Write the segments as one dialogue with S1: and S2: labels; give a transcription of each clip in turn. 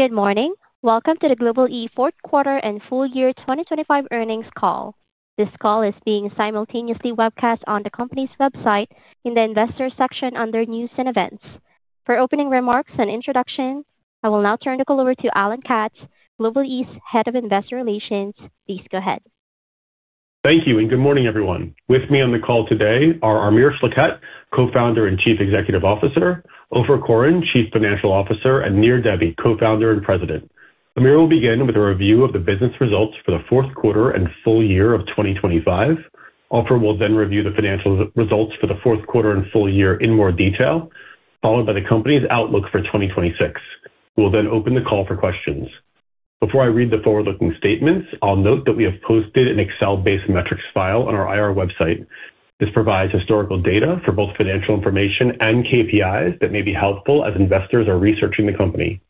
S1: Good morning. Welcome to the Global-e fourth quarter and full year 2025 earnings call. This call is being simultaneously webcast on the company's website in the Investors section under News and Events. For opening remarks and introductions, I will now turn the call over to Alan Katz, Global-e's Head of Investor Relations. Please go ahead.
S2: Thank you, and good morning, everyone. With me on the call today are Amir Schlachet, Co-founder and Chief Executive Officer, Ofer Koren, Chief Financial Officer, and Nir Debbi, Co-founder and President. Amir will begin with a review of the business results for the fourth quarter and full year of 2025. Ofer will then review the financial results for the fourth quarter and full year in more detail, followed by the company's outlook for 2026. We'll then open the call for questions. Before I read the forward-looking statements, I'll note that we have posted an Excel-based metrics file on our IR website. This provides historical data for both financial information and KPIs that may be helpful as investors are researching the company.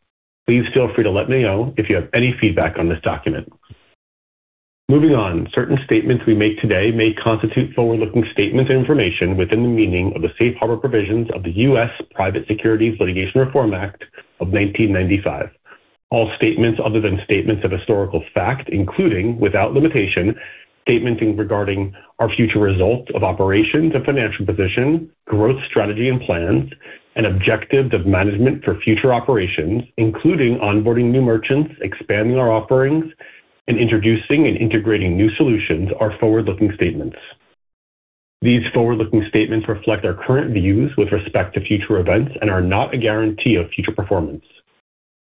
S2: Please feel free to let me know if you have any feedback on this document. Moving on, certain statements we make today may constitute forward-looking statements and information within the meaning of the Safe Harbor provisions of the US Private Securities Litigation Reform Act of 1995. All statements other than statements of historical fact, including, without limitation, statements regarding our future results of operations and financial position, growth strategy and plans, and objectives of management for future operations, including onboarding new merchants, expanding our offerings, and introducing and integrating new solutions are forward-looking statements. These forward-looking statements reflect our current views with respect to future events and are not a guarantee of future performance.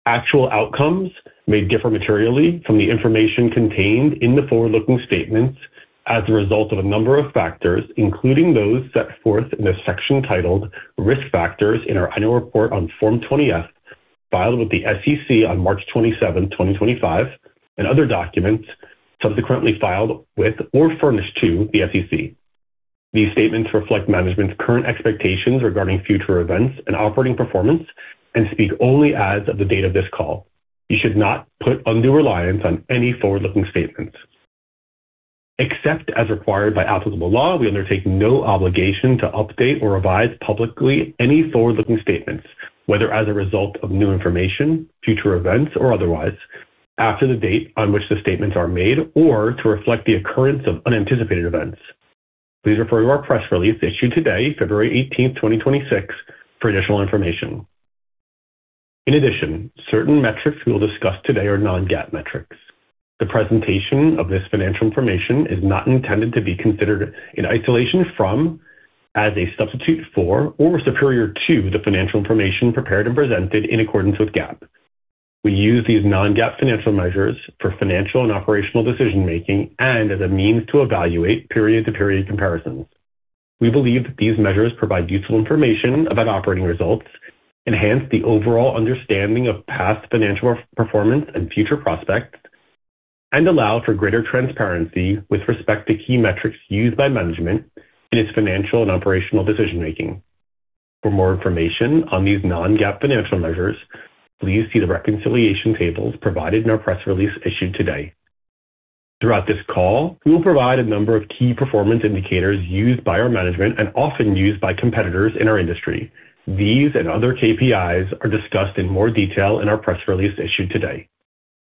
S2: Actual outcomes may differ materially from the information contained in the forward-looking statements as a result of a number of factors, including those set forth in the section titled Risk Factors in our annual report on Form 20-F, filed with the SEC on March 27, 2025, and other documents subsequently filed with or furnished to the SEC. These statements reflect management's current expectations regarding future events and operating performance and speak only as of the date of this call. You should not put undue reliance on any forward-looking statements. Except as required by applicable law, we undertake no obligation to update or revise publicly any forward-looking statements, whether as a result of new information, future events, or otherwise, after the date on which the statements are made or to reflect the occurrence of unanticipated events. Please refer to our press release issued today, February 18, 2026, for additional information. In addition, certain metrics we will discuss today are non-GAAP metrics. The presentation of this financial information is not intended to be considered in isolation from, as a substitute for, or superior to the financial information prepared and presented in accordance with GAAP. We use these non-GAAP financial measures for financial and operational decision-making and as a means to evaluate period-to-period comparisons. We believe that these measures provide useful information about operating results, enhance the overall understanding of past financial performance and future prospects, and allow for greater transparency with respect to key metrics used by management in its financial and operational decision-making. For more information on these non-GAAP financial measures, please see the reconciliation tables provided in our press release issued today. Throughout this call, we will provide a number of key performance indicators used by our management and often used by competitors in our industry. These and other KPIs are discussed in more detail in our press release issued today.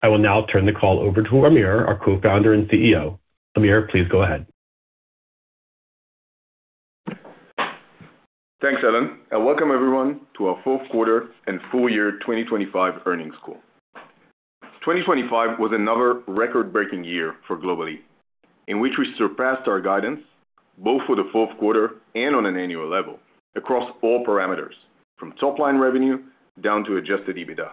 S2: I will now turn the call over to Amir, our co-founder and CEO. Amir, please go ahead.
S3: Thanks, Alan, and welcome everyone to our fourth quarter and full year 2025 earnings call. 2025 was another record-breaking year for Global-e, in which we surpassed our guidance both for the fourth quarter and on an annual level across all parameters, from top-line revenue down to Adjusted EBITDA.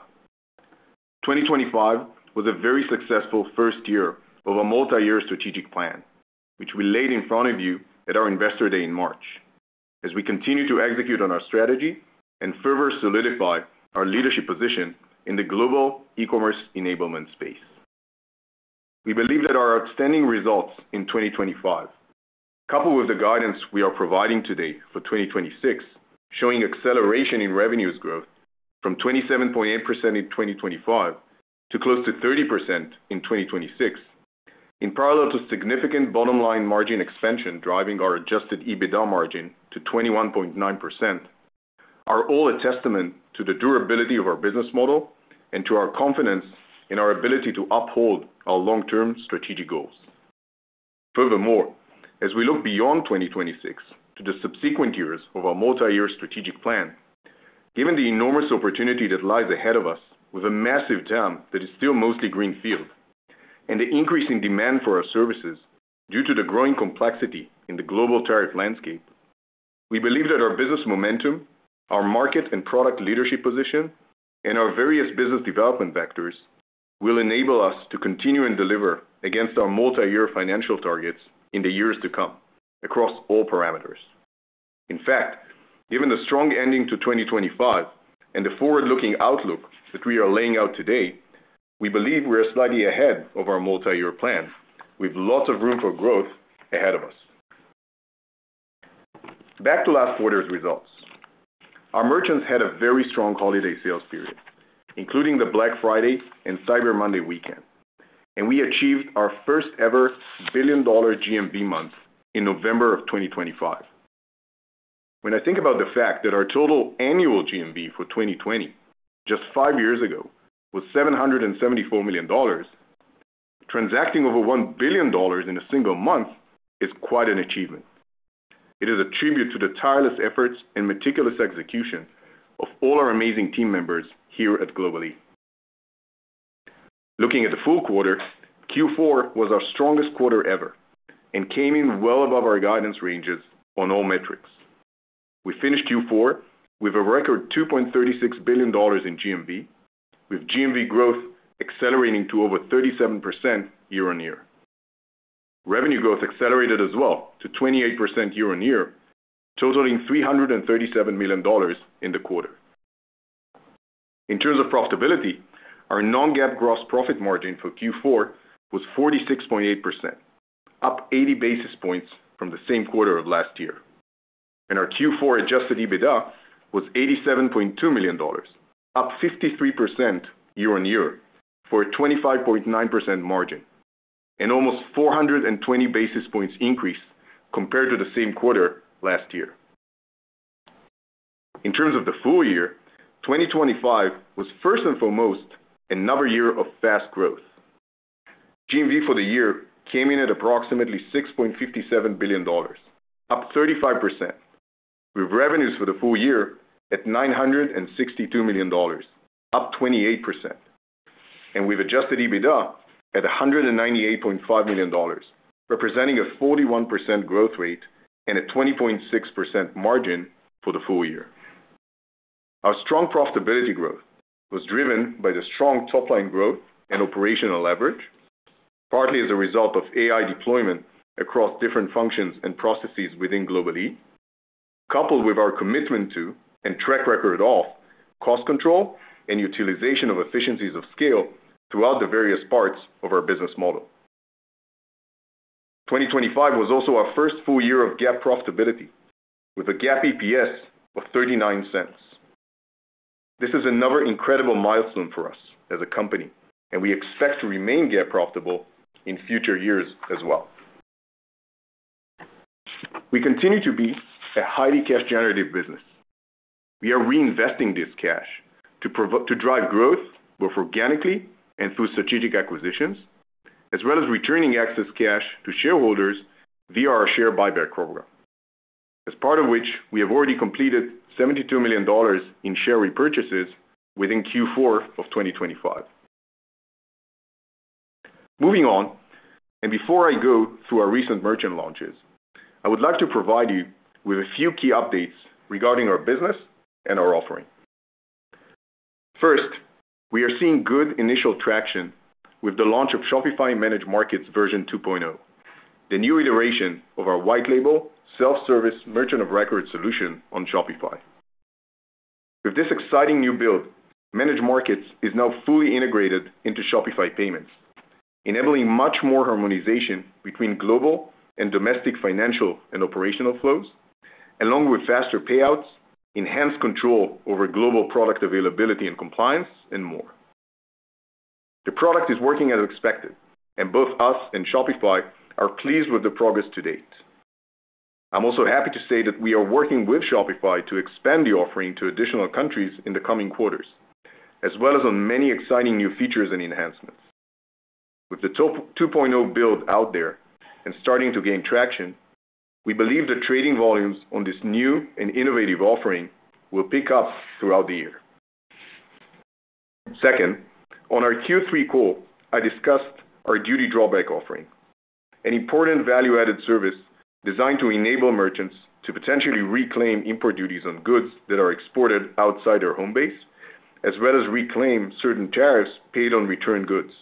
S3: 2025 was a very successful first year of a multi-year strategic plan, which we laid in front of you at our Investor Day in March, as we continue to execute on our strategy and further solidify our leadership position in the global e-commerce enablement space. We believe that our outstanding results in 2025, coupled with the guidance we are providing today for 2026, showing acceleration in revenues growth from 27.8% in 2025 to close to 30% in 2026, in parallel to significant bottom-line margin expansion, driving our Adjusted EBITDA margin to 21.9%, are all a testament to the durability of our business model and to our confidence in our ability to uphold our long-term strategic goals. Furthermore, as we look beyond 2026 to the subsequent years of our multi-year strategic plan, given the enormous opportunity that lies ahead of us with a massive TAM that is still mostly greenfield, and the increasing demand for our services due to the growing complexity in the global tariff landscape, we believe that our business momentum, our market and product leadership position, and our various business development vectors will enable us to continue and deliver against our multi-year financial targets in the years to come across all parameters. In fact, given the strong ending to 2025 and the forward-looking outlook that we are laying out today, we believe we are slightly ahead of our multi-year plan, with lots of room for growth ahead of us. Back to last quarter's results. Our merchants had a very strong holiday sales period, including the Black Friday and Cyber Monday weekend, and we achieved our first-ever billion-dollar GMV month in November of 2025. When I think about the fact that our total annual GMV for 2020, just five years ago, was $774 million, transacting over $1 billion in a single month is quite an achievement. It is a tribute to the tireless efforts and meticulous execution of all our amazing team members here at Global-e. Looking at the full quarter, Q4 was our strongest quarter ever and came in well above our guidance ranges on all metrics. We finished Q4 with a record $2.36 billion in GMV, with GMV growth accelerating to over 37% year-on-year. Revenue growth accelerated as well to 28% year-on-year, totaling $337 million in the quarter. In terms of profitability, our non-GAAP gross profit margin for Q4 was 46.8%, up 80 basis points from the same quarter of last year. And our Q4 Adjusted EBITDA was $87.2 million, up 53% year-on-year, for a 25.9% margin, and almost 420 basis points increase compared to the same quarter last year. In terms of the full year, 2025 was first and foremost another year of fast growth. GMV for the year came in at approximately $6.57 billion, up 35%, with revenues for the full year at $962 million, up 28%. And with Adjusted EBITDA at $198.5 million, representing a 41% growth rate and a 20.6% margin for the full year. Our strong profitability growth was driven by the strong top-line growth and operational leverage, partly as a result of AI deployment across different functions and processes within Global-e, coupled with our commitment to, and track record of, cost control and utilization of efficiencies of scale throughout the various parts of our business model. 2025 was also our first full year of GAAP profitability, with a GAAP EPS of $0.39. This is another incredible milestone for us as a company, and we expect to remain GAAP profitable in future years as well. We continue to be a highly cash-generative business. We are reinvesting this cash to drive growth, both organically and through strategic acquisitions, as well as returning excess cash to shareholders via our share buyback program, as part of which we have already completed $72 million in share repurchases within Q4 of 2025. Moving on, and before I go through our recent merchant launches, I would like to provide you with a few key updates regarding our business and our offering. First, we are seeing good initial traction with the launch of Shopify Managed Markets version 2.0, the new iteration of our white label self-service merchant of record solution on Shopify. With this exciting new build, Managed Markets is now fully integrated into Shopify Payments, enabling much more harmonization between global and domestic financial and operational flows, along with faster payouts, enhanced control over global product availability and compliance, and more. The product is working as expected, and both us and Shopify are pleased with the progress to date. I'm also happy to say that we are working with Shopify to expand the offering to additional countries in the coming quarters, as well as on many exciting new features and enhancements. With the 2.0 build out there and starting to gain traction, we believe the trading volumes on this new and innovative offering will pick up throughout the year. Second, on our Q3 call, I discussed our Duty Drawback offering, an important value-added service designed to enable merchants to potentially reclaim import duties on goods that are exported outside their home base, as well as reclaim certain tariffs paid on returned goods,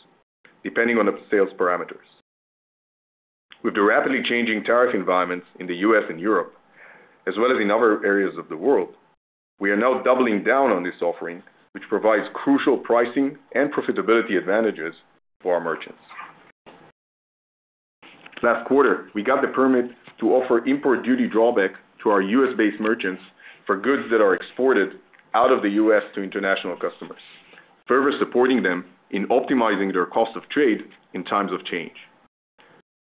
S3: depending on the sales parameters. With the rapidly changing tariff environments in the U.S. and Europe, as well as in other areas of the world, we are now doubling down on this offering, which provides crucial pricing and profitability advantages for our merchants. Last quarter, we got the permit to offer import Duty Drawback to our U.S.-based merchants for goods that are exported out of the U.S. to international customers, further supporting them in optimizing their cost of trade in times of change.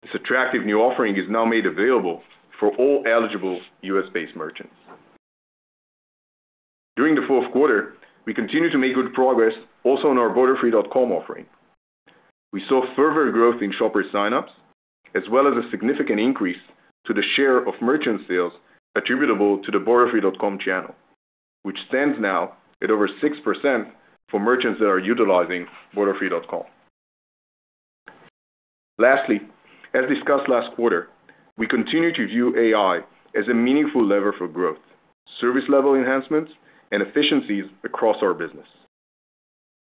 S3: This attractive new offering is now made available for all eligible U.S.-based merchants. During the fourth quarter, we continued to make good progress also on our borderfree.com offering. We saw further growth in shopper sign-ups, as well as a significant increase to the share of merchant sales attributable to the borderfree.com channel, which stands now at over 6% for merchants that are utilizing borderfree.com. Lastly, as discussed last quarter, we continue to view AI as a meaningful lever for growth, service level enhancements, and efficiencies across our business.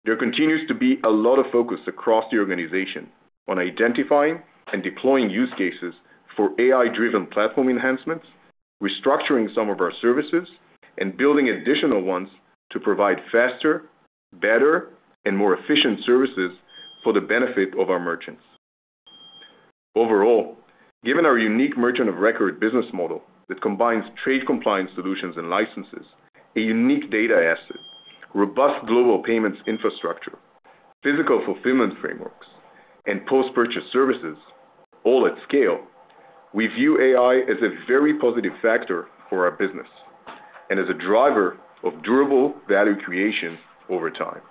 S3: There continues to be a lot of focus across the organization on identifying and deploying use cases for AI-driven platform enhancements, restructuring some of our services, and building additional ones to provide faster, better, and more efficient services for the benefit of our merchants. Overall, given our unique merchant of record business model that combines trade compliance solutions and licenses, a unique data asset, robust global payments infrastructure, physical fulfillment frameworks, and post-purchase services, all at scale, we view AI as a very positive factor for our business and as a driver of durable value creation over time.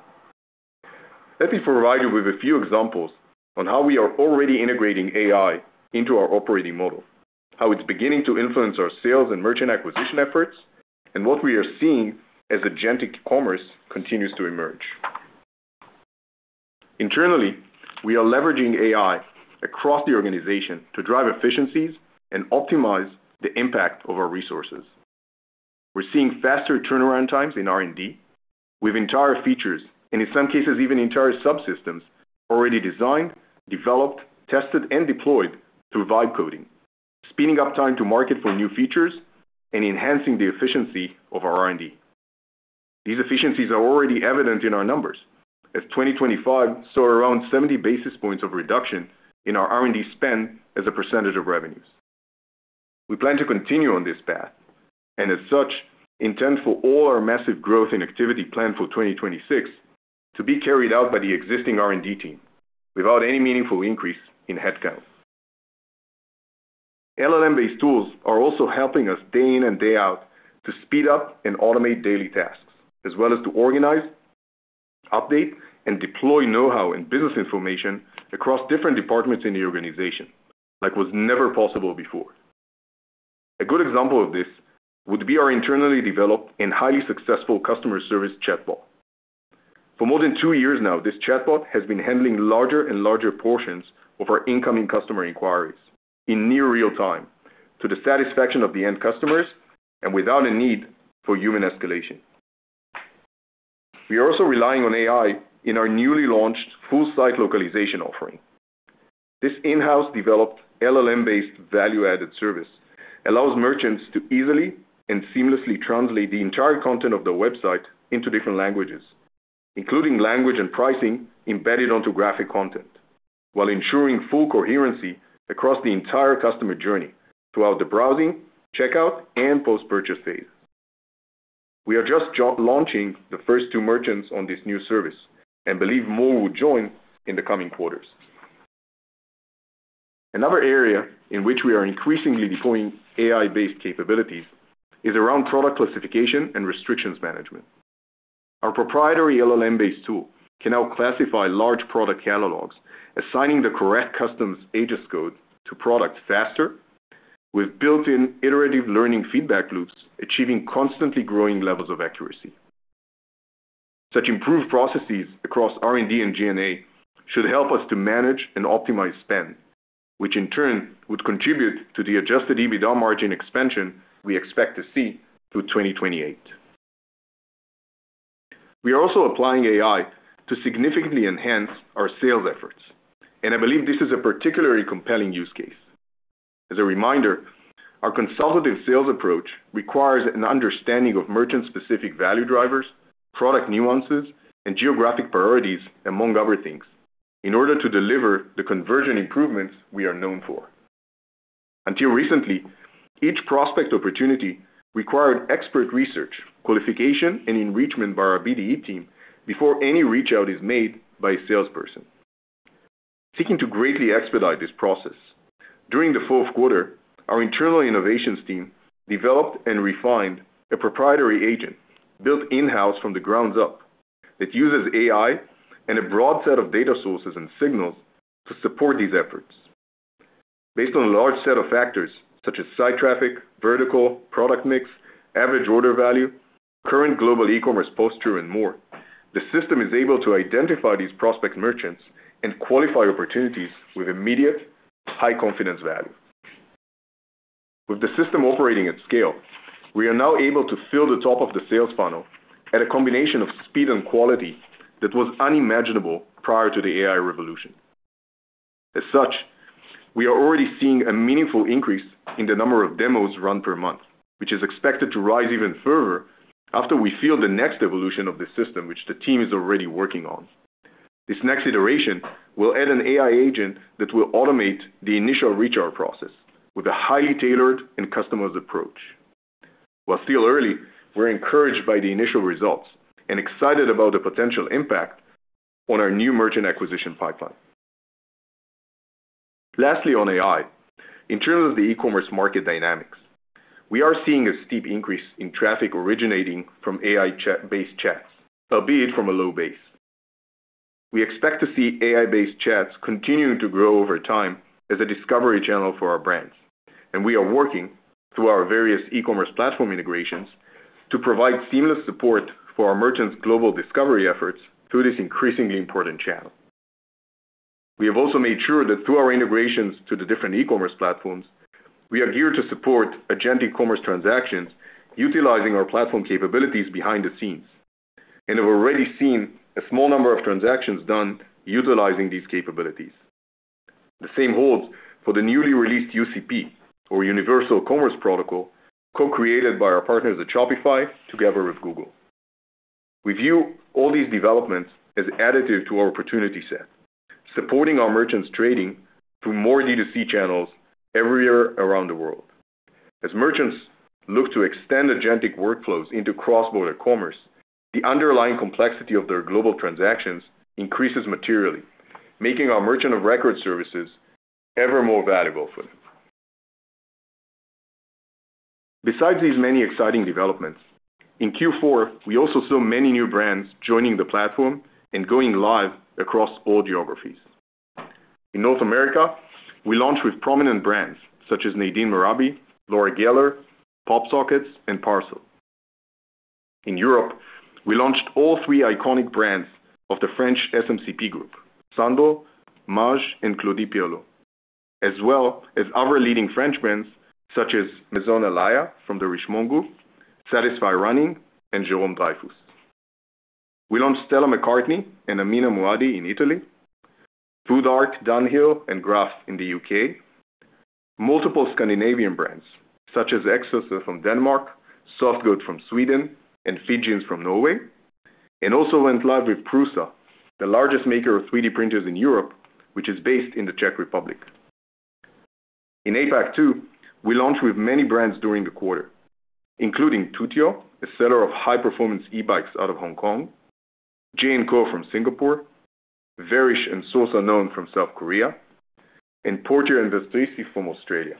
S3: Let me provide you with a few examples on how we are already integrating AI into our operating model, how it's beginning to influence our sales and merchant acquisition efforts, and what we are seeing as agentic commerce continues to emerge. Internally, we are leveraging AI across the organization to drive efficiencies and optimize the impact of our resources. We're seeing faster turnaround times in R&D, with entire features, and in some cases, even entire subsystems, already designed, developed, tested, and deployed through Vibe Coding, speeding up time to market for new features and enhancing the efficiency of our R&D. These efficiencies are already evident in our numbers, as 2025 saw around 70 basis points of reduction in our R&D spend as a percentage of revenues. We plan to continue on this path, and as such, intend for all our massive growth and activity planned for 2026 to be carried out by the existing R&D team, without any meaningful increase in headcount. LLM-based tools are also helping us day in and day out to speed up and automate daily tasks, as well as to organize, update, and deploy know-how and business information across different departments in the organization, like was never possible before. A good example of this would be our internally developed and highly successful customer service chatbot. For more than two years now, this chatbot has been handling larger and larger portions of our incoming customer inquiries in near real time, to the satisfaction of the end customers and without a need for human escalation. We are also relying on AI in our newly launched full site localization offering. This in-house developed LLM-based value-added service allows merchants to easily and seamlessly translate the entire content of their website into different languages, including language and pricing embedded onto graphic content, while ensuring full coherency across the entire customer journey throughout the browsing, checkout, and post-purchase phase. We are just launching the first two merchants on this new service and believe more will join in the coming quarters. Another area in which we are increasingly deploying AI-based capabilities is around product classification and restrictions management. Our proprietary LLM-based tool can now classify large product catalogs, assigning the correct customs HS code to products faster with built-in iterative learning feedback loops, achieving constantly growing levels of accuracy. Such improved processes across R&D and G&A should help us to manage and optimize spend, which in turn would contribute to the Adjusted EBITDA margin expansion we expect to see through 2028. We are also applying AI to significantly enhance our sales efforts, and I believe this is a particularly compelling use case. As a reminder, our consultative sales approach requires an understanding of merchant-specific value drivers, product nuances, and geographic priorities, among other things, in order to deliver the conversion improvements we are known for. Until recently, each prospect opportunity required expert research, qualification, and enrichment by our BDE team before any reach out is made by a salesperson. Seeking to greatly expedite this process, during the fourth quarter, our internal innovations team developed and refined a proprietary agent, built in-house from the ground up, that uses AI and a broad set of data sources and signals to support these efforts. Based on a large set of factors such as site traffic, vertical, product mix, average order value, current global e-commerce posture, and more, the system is able to identify these prospect merchants and qualify opportunities with immediate, high confidence value. With the system operating at scale, we are now able to fill the top of the sales funnel at a combination of speed and quality that was unimaginable prior to the AI revolution. As such, we are already seeing a meaningful increase in the number of demos run per month, which is expected to rise even further after we field the next evolution of the system, which the team is already working on. This next iteration will add an AI agent that will automate the initial reach-out process with a highly tailored and customized approach. While still early, we're encouraged by the initial results and excited about the potential impact on our new merchant acquisition pipeline. Lastly, on AI. In terms of the e-commerce market dynamics, we are seeing a steep increase in traffic originating from AI chat-based chats, albeit from a low base. We expect to see AI-based chats continuing to grow over time as a discovery channel for our brands, and we are working through our various e-commerce platform integrations to provide seamless support for our merchants' global discovery efforts through this increasingly important channel. We have also made sure that through our integrations to the different e-commerce platforms, we are geared to support agent e-commerce transactions utilizing our platform capabilities behind the scenes, and have already seen a small number of transactions done utilizing these capabilities. The same holds for the newly released UCP, or Universal Commerce Protocol, co-created by our partners at Shopify together with Google. We view all these developments as additive to our opportunity set, supporting our merchants trading through more D2C channels everywhere around the world. As merchants look to extend agentic workflows into cross-border commerce, the underlying complexity of their global transactions increases materially, making our merchant of record services ever more valuable for them. Besides these many exciting developments, in Q4, we also saw many new brands joining the platform and going live across all geographies. In North America, we launched with prominent brands such as Nadine Merabi, Laura Geller, PopSockets, and Parcel. In Europe, we launched all three iconic brands of the French SMCP Group, Sandro, Maje, and Claudie Pierlot, as well as other leading French brands such as Maison Alaïa from the Richemont Group, Satisfy Running, and Jérôme Dreyfuss. We launched Stella McCartney and Amina Muaddi in Italy, Food Art, Dunhill, and Graff in the U.K., multiple Scandinavian brands, such as Exist from Denmark, Soft Goat from Sweden, and Fijns from Norway, and also went live with Prusa, the largest maker of 3D printers in Europe, which is based in the Czech Republic. In APAC, too, we launched with many brands during the quarter, including Tutio, a seller of high-performance e-bikes out of Hong Kong, J&Co from Singapore, Verish and Source Unknown from South Korea, and Porter and Vestrr from Australia.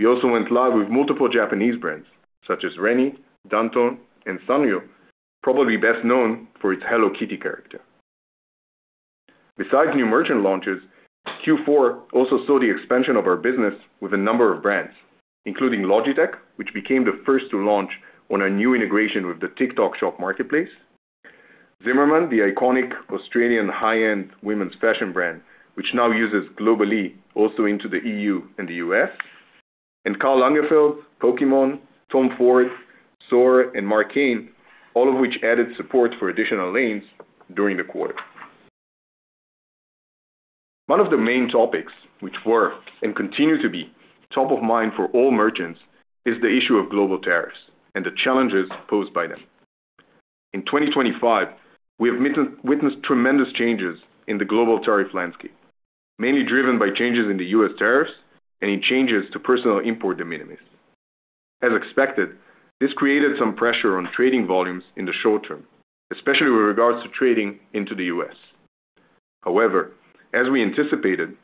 S3: We also went live with multiple Japanese brands such as René, Danton, and Sanrio, probably best known for its Hello Kitty character. Besides new merchant launches, Q4 also saw the expansion of our business with a number of brands, including Logitech, which became the first to launch on our new integration with the TikTok Shop marketplace. Zimmermann, the iconic Australian high-end women's fashion brand, which now uses Global-e, also into the EU and the U.S., and Karl Lagerfeld, Pokémon, Tom Ford, Soar, and Marc Cain, all of which added support for additional lanes during the quarter. One of the main topics which were, and continue to be, top of mind for all merchants is the issue of global tariffs and the challenges posed by them. In 2025, we have witnessed tremendous changes in the global tariff landscape, mainly driven by changes in the U.S. tariffs and in changes to personal import de minimis. As expected, this created some pressure on trading volumes in the short term, especially with regards to trading into the U.S. However, as we anticipated,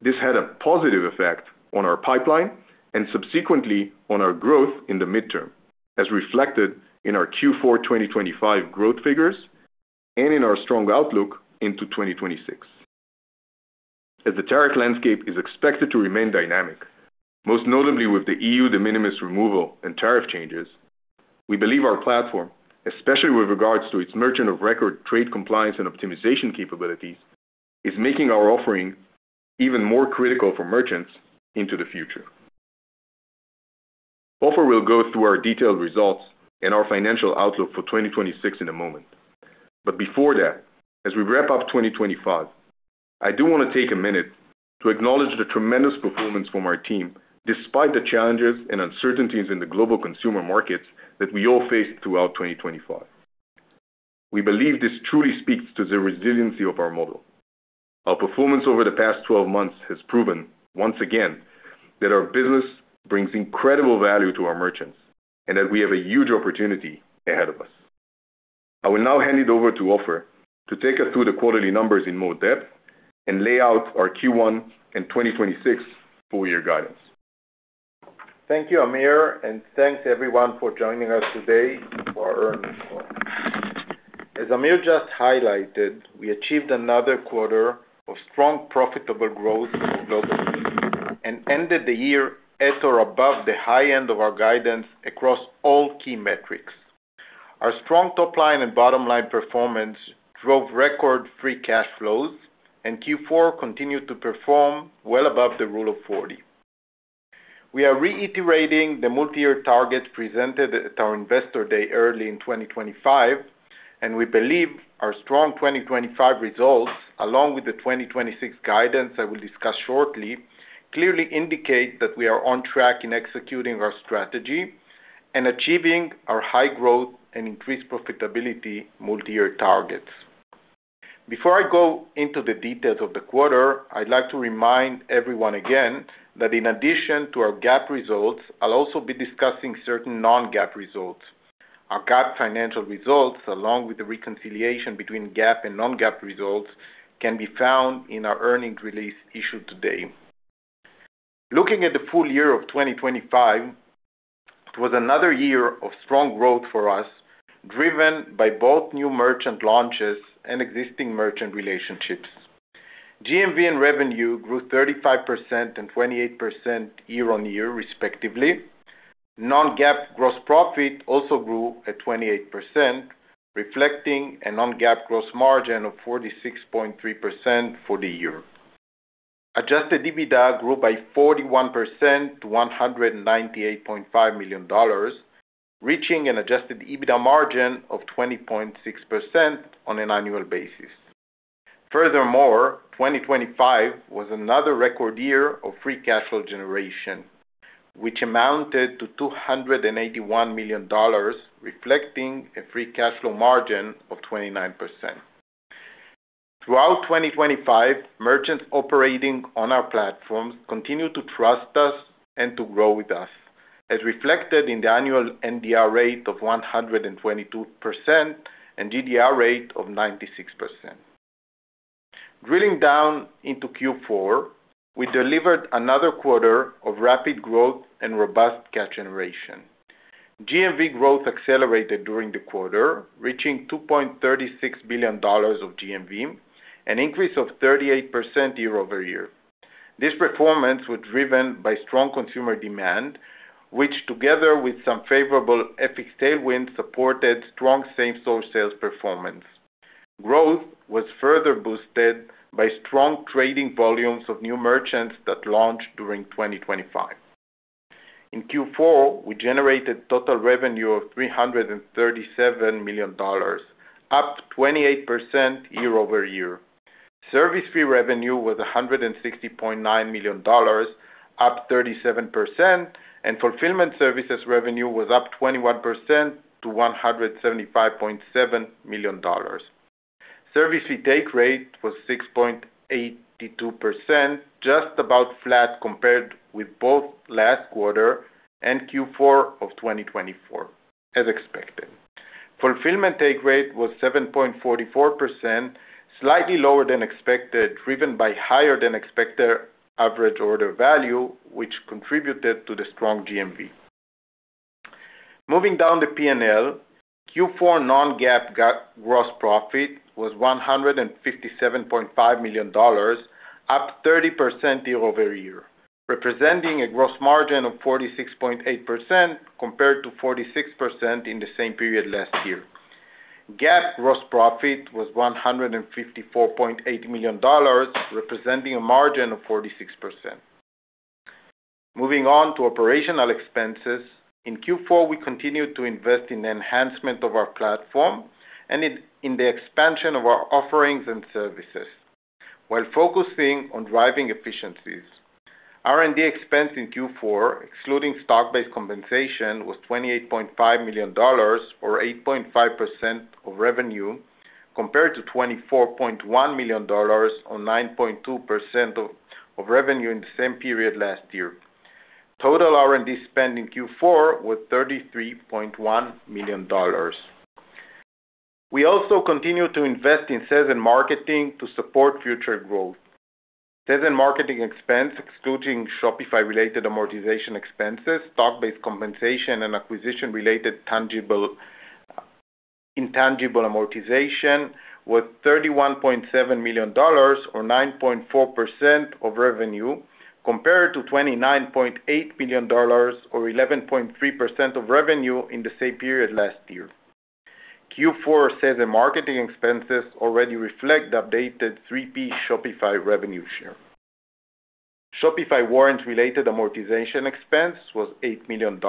S3: this had a positive effect on our pipeline and subsequently on our growth in the mid-term, as reflected in our Q4 2025 growth figures and in our strong outlook into 2026. As the tariff landscape is expected to remain dynamic, most notably with the E.U. de minimis removal and tariff changes, we believe our platform, especially with regards to its merchant of record, trade, compliance, and optimization capabilities, is making our offering even more critical for merchants into the future. Ofer will go through our detailed results and our financial outlook for 2026 in a moment. But before that, as we wrap up 2025, I do want to take a minute to acknowledge the tremendous performance from our team, despite the challenges and uncertainties in the global consumer markets that we all faced throughout 2025. We believe this truly speaks to the resiliency of our model. Our performance over the past 12 months has proven once again, that our business brings incredible value to our merchants and that we have a huge opportunity ahead of us. I will now hand it over to Ofer to take us through the quarterly numbers in more depth and lay out our Q1 and 2026 full year guidance.
S4: Thank you, Amir, and thanks to everyone for joining us today for our earnings call. As Amir just highlighted, we achieved another quarter of strong, profitable growth globally and ended the year at or above the high end of our guidance across all key metrics. Our strong top line and bottom line performance drove record free cash flows, and Q4 continued to perform well above the Rule of Forty. We are reiterating the multi-year targets presented at our Investor Day early in 2025, and we believe our strong 2025 results, along with the 2026 guidance I will discuss shortly, clearly indicate that we are on track in executing our strategy and achieving our high growth and increased profitability multi-year targets. Before I go into the details of the quarter, I'd like to remind everyone again that in addition to our GAAP results, I'll also be discussing certain non-GAAP results. Our GAAP financial results, along with the reconciliation between GAAP and non-GAAP results, can be found in our earnings release issued today. Looking at the full year of 2025, it was another year of strong growth for us, driven by both new merchant launches and existing merchant relationships. GMV and revenue grew 35% and 28% year-on-year, respectively. Non-GAAP gross profit also grew at 28%, reflecting a non-GAAP gross margin of 46.3% for the year. Adjusted EBITDA grew by 41% to $198.5 million, reaching an Adjusted EBITDA margin of 20.6% on an annual basis. Furthermore, 2025 was another record year of Free Cash Flow generation, which amounted to $281 million, reflecting a Free Cash Flow margin of 29%. Throughout 2025, merchants operating on our platforms continued to trust us and to grow with us, as reflected in the annual NDR rate of 122% and GDR rate of 96%. Drilling down into Q4, we delivered another quarter of rapid growth and robust cash generation. GMV growth accelerated during the quarter, reaching $2.36 billion of GMV, an increase of 38% year-over-year. This performance was driven by strong consumer demand, which, together with some favorable FX tailwind, supported strong Same-Store Sales performance. Growth was further boosted by strong trading volumes of new merchants that launched during 2025. In Q4, we generated total revenue of $337 million, up 28% year-over-year. Service fee revenue was $160.9 million, up 37%, and fulfillment services revenue was up 21% to $175.7 million. Service fee take rate was 6.82%, just about flat compared with both last quarter and Q4 of 2024, as expected. Fulfillment take rate was 7.44%, slightly lower than expected, driven by higher than expected average order value, which contributed to the strong GMV. Moving down the PNL, Q4 non-GAAP gross profit was $157.5 million, up 30% year-over-year, representing a gross margin of 46.8% compared to 46% in the same period last year. GAAP gross profit was $154.8 million, representing a margin of 46%. Moving on to operational expenses. In Q4, we continued to invest in the enhancement of our platform and in the expansion of our offerings and services while focusing on driving efficiencies. R&D expense in Q4, excluding stock-based compensation, was $28.5 million or 8.5% of revenue, compared to $24.1 million or 9.2% of revenue in the same period last year. Total R&D spend in Q4 was $33.1 million. We also continued to invest in sales and marketing to support future growth. Sales and marketing expense, excluding Shopify related amortization expenses, stock-based compensation and acquisition-related tangible, intangible amortization, was $31.7 million or 9.4% of revenue, compared to $29.8 million or 11.3% of revenue in the same period last year. Q4 sales and marketing expenses already reflect the updated 3% Shopify revenue share. Shopify warrant-related amortization expense was $8 million.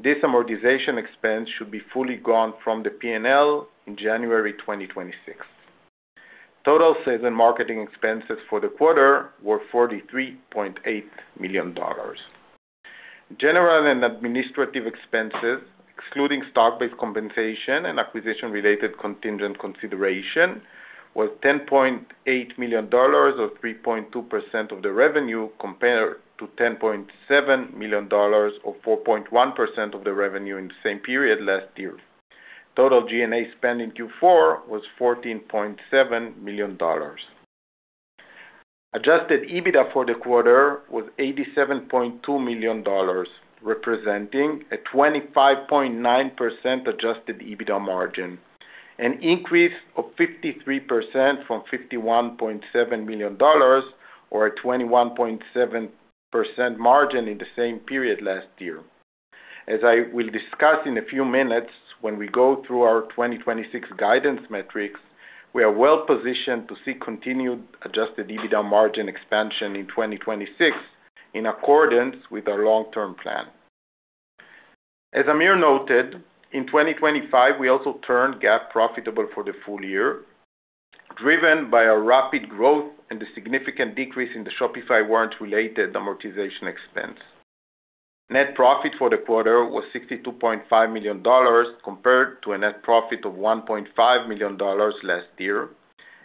S4: This amortization expense should be fully gone from the P&L in January 2026. Total sales and marketing expenses for the quarter were $43.8 million. General and administrative expenses, excluding stock-based compensation and acquisition-related contingent consideration, was $10.8 million or 3.2% of the revenue, compared to $10.7 million or 4.1% of the revenue in the same period last year. Total G&A spend in Q4 was $14.7 million. Adjusted EBITDA for the quarter was $87.2 million, representing a 25.9% Adjusted EBITDA margin, an increase of 53% from $51.7 million or a 21.7% margin in the same period last year. As I will discuss in a few minutes, when we go through our 2026 guidance metrics, we are well positioned to see continued Adjusted EBITDA margin expansion in 2026, in accordance with our long-term plan. As Amir noted, in 2025, we also turned GAAP profitable for the full year, driven by a rapid growth and the significant decrease in the Shopify warrant-related amortization expense. Net profit for the quarter was $62.5 million, compared to a net profit of $1.5 million last year,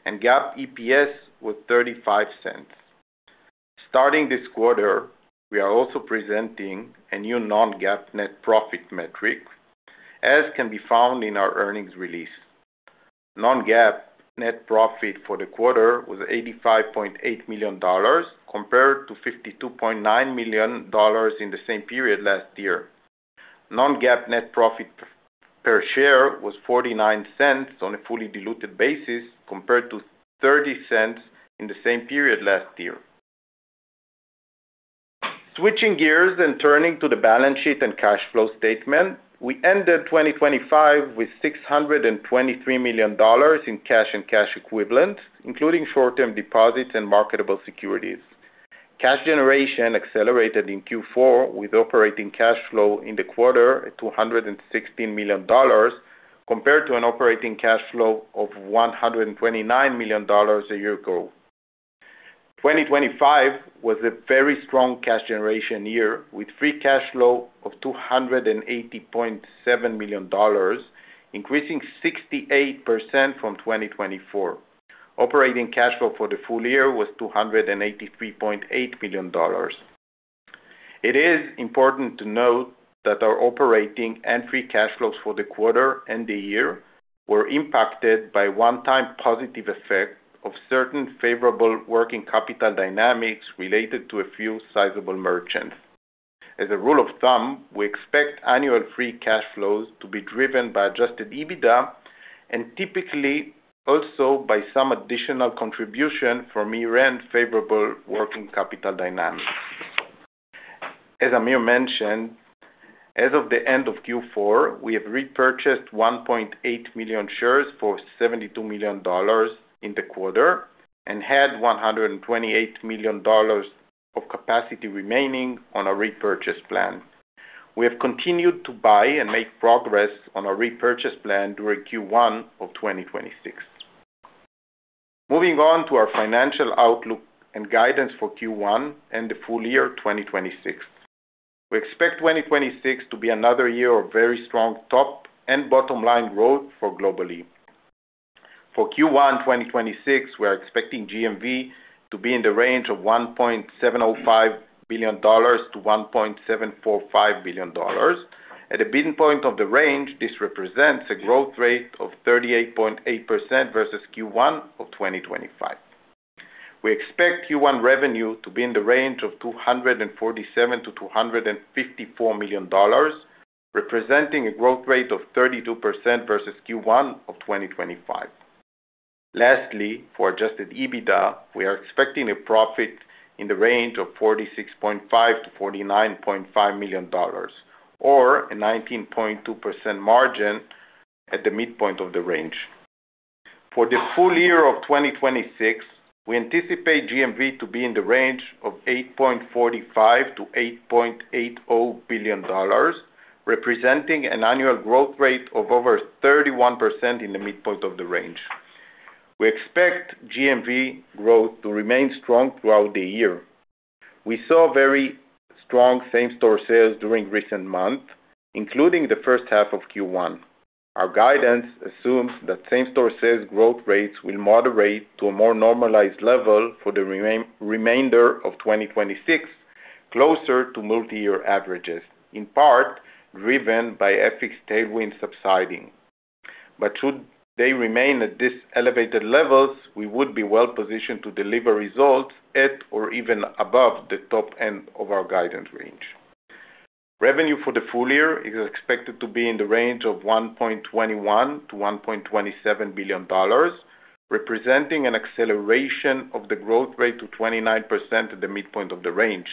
S4: and GAAP EPS was $0.35. Starting this quarter, we are also presenting a new non-GAAP net profit metric, as can be found in our earnings release. Non-GAAP net profit for the quarter was $85.8 million, compared to $52.9 million in the same period last year. Non-GAAP net profit per share was $0.49 on a fully diluted basis, compared to $0.30 in the same period last year. Switching gears and turning to the balance sheet and cash flow statement, we ended 2025 with $623 million in cash and cash equivalents, including short-term deposits and marketable securities. Cash generation accelerated in Q4, with operating cash flow in the quarter at $216 million, compared to an operating cash flow of $129 million a year ago. 2025 was a very strong cash generation year, with free cash flow of $280.7 million, increasing 68% from 2024. Operating cash flow for the full year was $283.8 million. It is important to note that our operating and free cash flows for the quarter and the year were impacted by one-time positive effect of certain favorable working capital dynamics related to a few sizable merchants. As a rule of thumb, we expect annual free cash flows to be driven by Adjusted EBITDA and typically also by some additional contribution from year-end favorable working capital dynamics. As Amir mentioned, as of the end of Q4, we have repurchased 1.8 million shares for $72 million in the quarter and had $128 million of capacity remaining on our repurchase plan. We have continued to buy and make progress on our repurchase plan during Q1 of 2026. Moving on to our financial outlook and guidance for Q1 and the full year 2026. We expect 2026 to be another year of very strong top and bottom line growth for Global-e. For Q1 2026, we are expecting GMV to be in the range of $1.705 billion-$1.745 billion. At the beginning point of the range, this represents a growth rate of 38.8% versus Q1 of 2025. We expect Q1 revenue to be in the range of $247 million-$254 million, representing a growth rate of 32% versus Q1 of 2025. Lastly, for Adjusted EBITDA, we are expecting a profit in the range of $46.5 million-$49.5 million, or a 19.2% margin at the midpoint of the range. For the full year of 2026, we anticipate GMV to be in the range of $8.45 billion-$8.80 billion, representing an annual growth rate of over 31% in the midpoint of the range. We expect GMV growth to remain strong throughout the year. We saw very strong same-store sales during recent months, including the first half of Q1. Our guidance assumes that same-store sales growth rates will moderate to a more normalized level for the remainder of 2026, closer to multiyear averages, in part driven by FX tailwind subsiding. But should they remain at this elevated levels, we would be well positioned to deliver results at or even above the top end of our guidance range. Revenue for the full year is expected to be in the range of $1.21 billion-$1.27 billion, representing an acceleration of the growth rate to 29% at the midpoint of the range.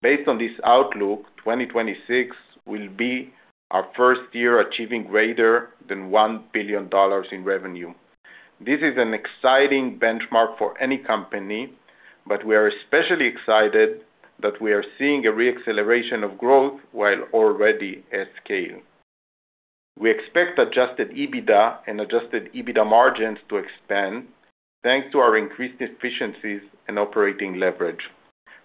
S4: Based on this outlook, 2026 will be our first year achieving greater than $1 billion in revenue. This is an exciting benchmark for any company, but we are especially excited that we are seeing a re-acceleration of growth while already at scale. We expect Adjusted EBITDA and Adjusted EBITDA margins to expand, thanks to our increased efficiencies and operating leverage.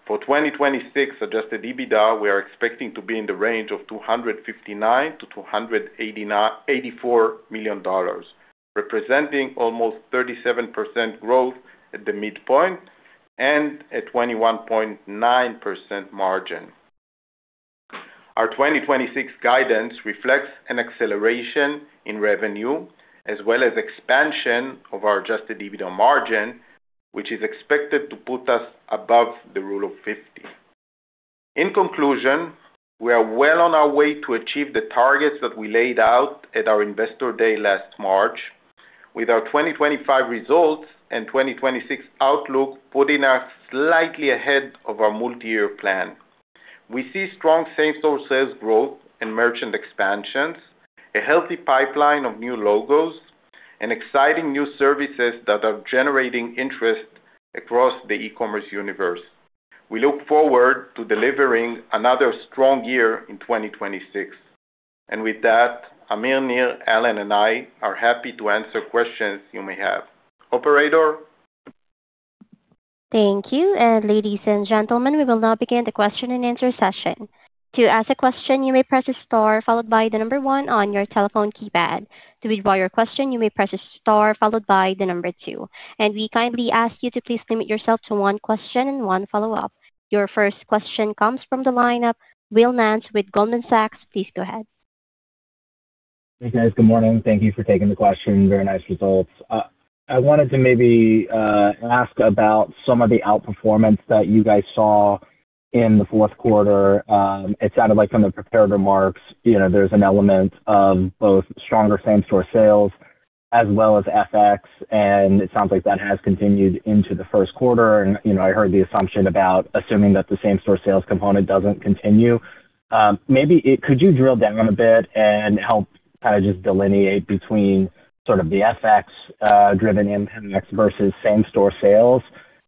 S4: For 2026 Adjusted EBITDA, we are expecting to be in the range of $259 million-$294 million, representing almost 37% growth at the midpoint and a 21.9% margin. Our 2026 guidance reflects an acceleration in revenue as well as expansion of our Adjusted EBITDA margin, which is expected to put us above the Rule of Fifty. In conclusion, we are well on our way to achieve the targets that we laid out at our Investor Day last March, with our 2025 results and 2026 outlook putting us slightly ahead of our multi-year plan. We see strong Same-Store Sales growth and merchant expansions, a healthy pipeline of new logos, and exciting new services that are generating interest across the e-commerce universe. We look forward to delivering another strong year in 2026, and with that, Amir, Nir, Alan, and I are happy to answer questions you may have. Operator?
S1: Thank you. Ladies and gentlemen, we will now begin the question-and-answer session. To ask a question, you may press star, followed by 1 on your telephone keypad. To withdraw your question, you may press star followed by 2. We kindly ask you to please limit yourself to one question and one follow-up. Your first question comes from the lineup, Will Nance with Goldman Sachs. Please go ahead.
S5: Hey, guys. Good morning. Thank you for taking the question. Very nice results. I wanted to maybe ask about some of the outperformance that you guys saw in the fourth quarter. It sounded like from the prepared remarks, you know, there's an element of both stronger same-store sales as well as FX, and it sounds like that has continued into the first quarter. And, you know, I heard the assumption about assuming that the same-store sales component doesn't continue. Could you drill down a bit and help kind of just delineate between sort of the FX driven index versus same-store sales?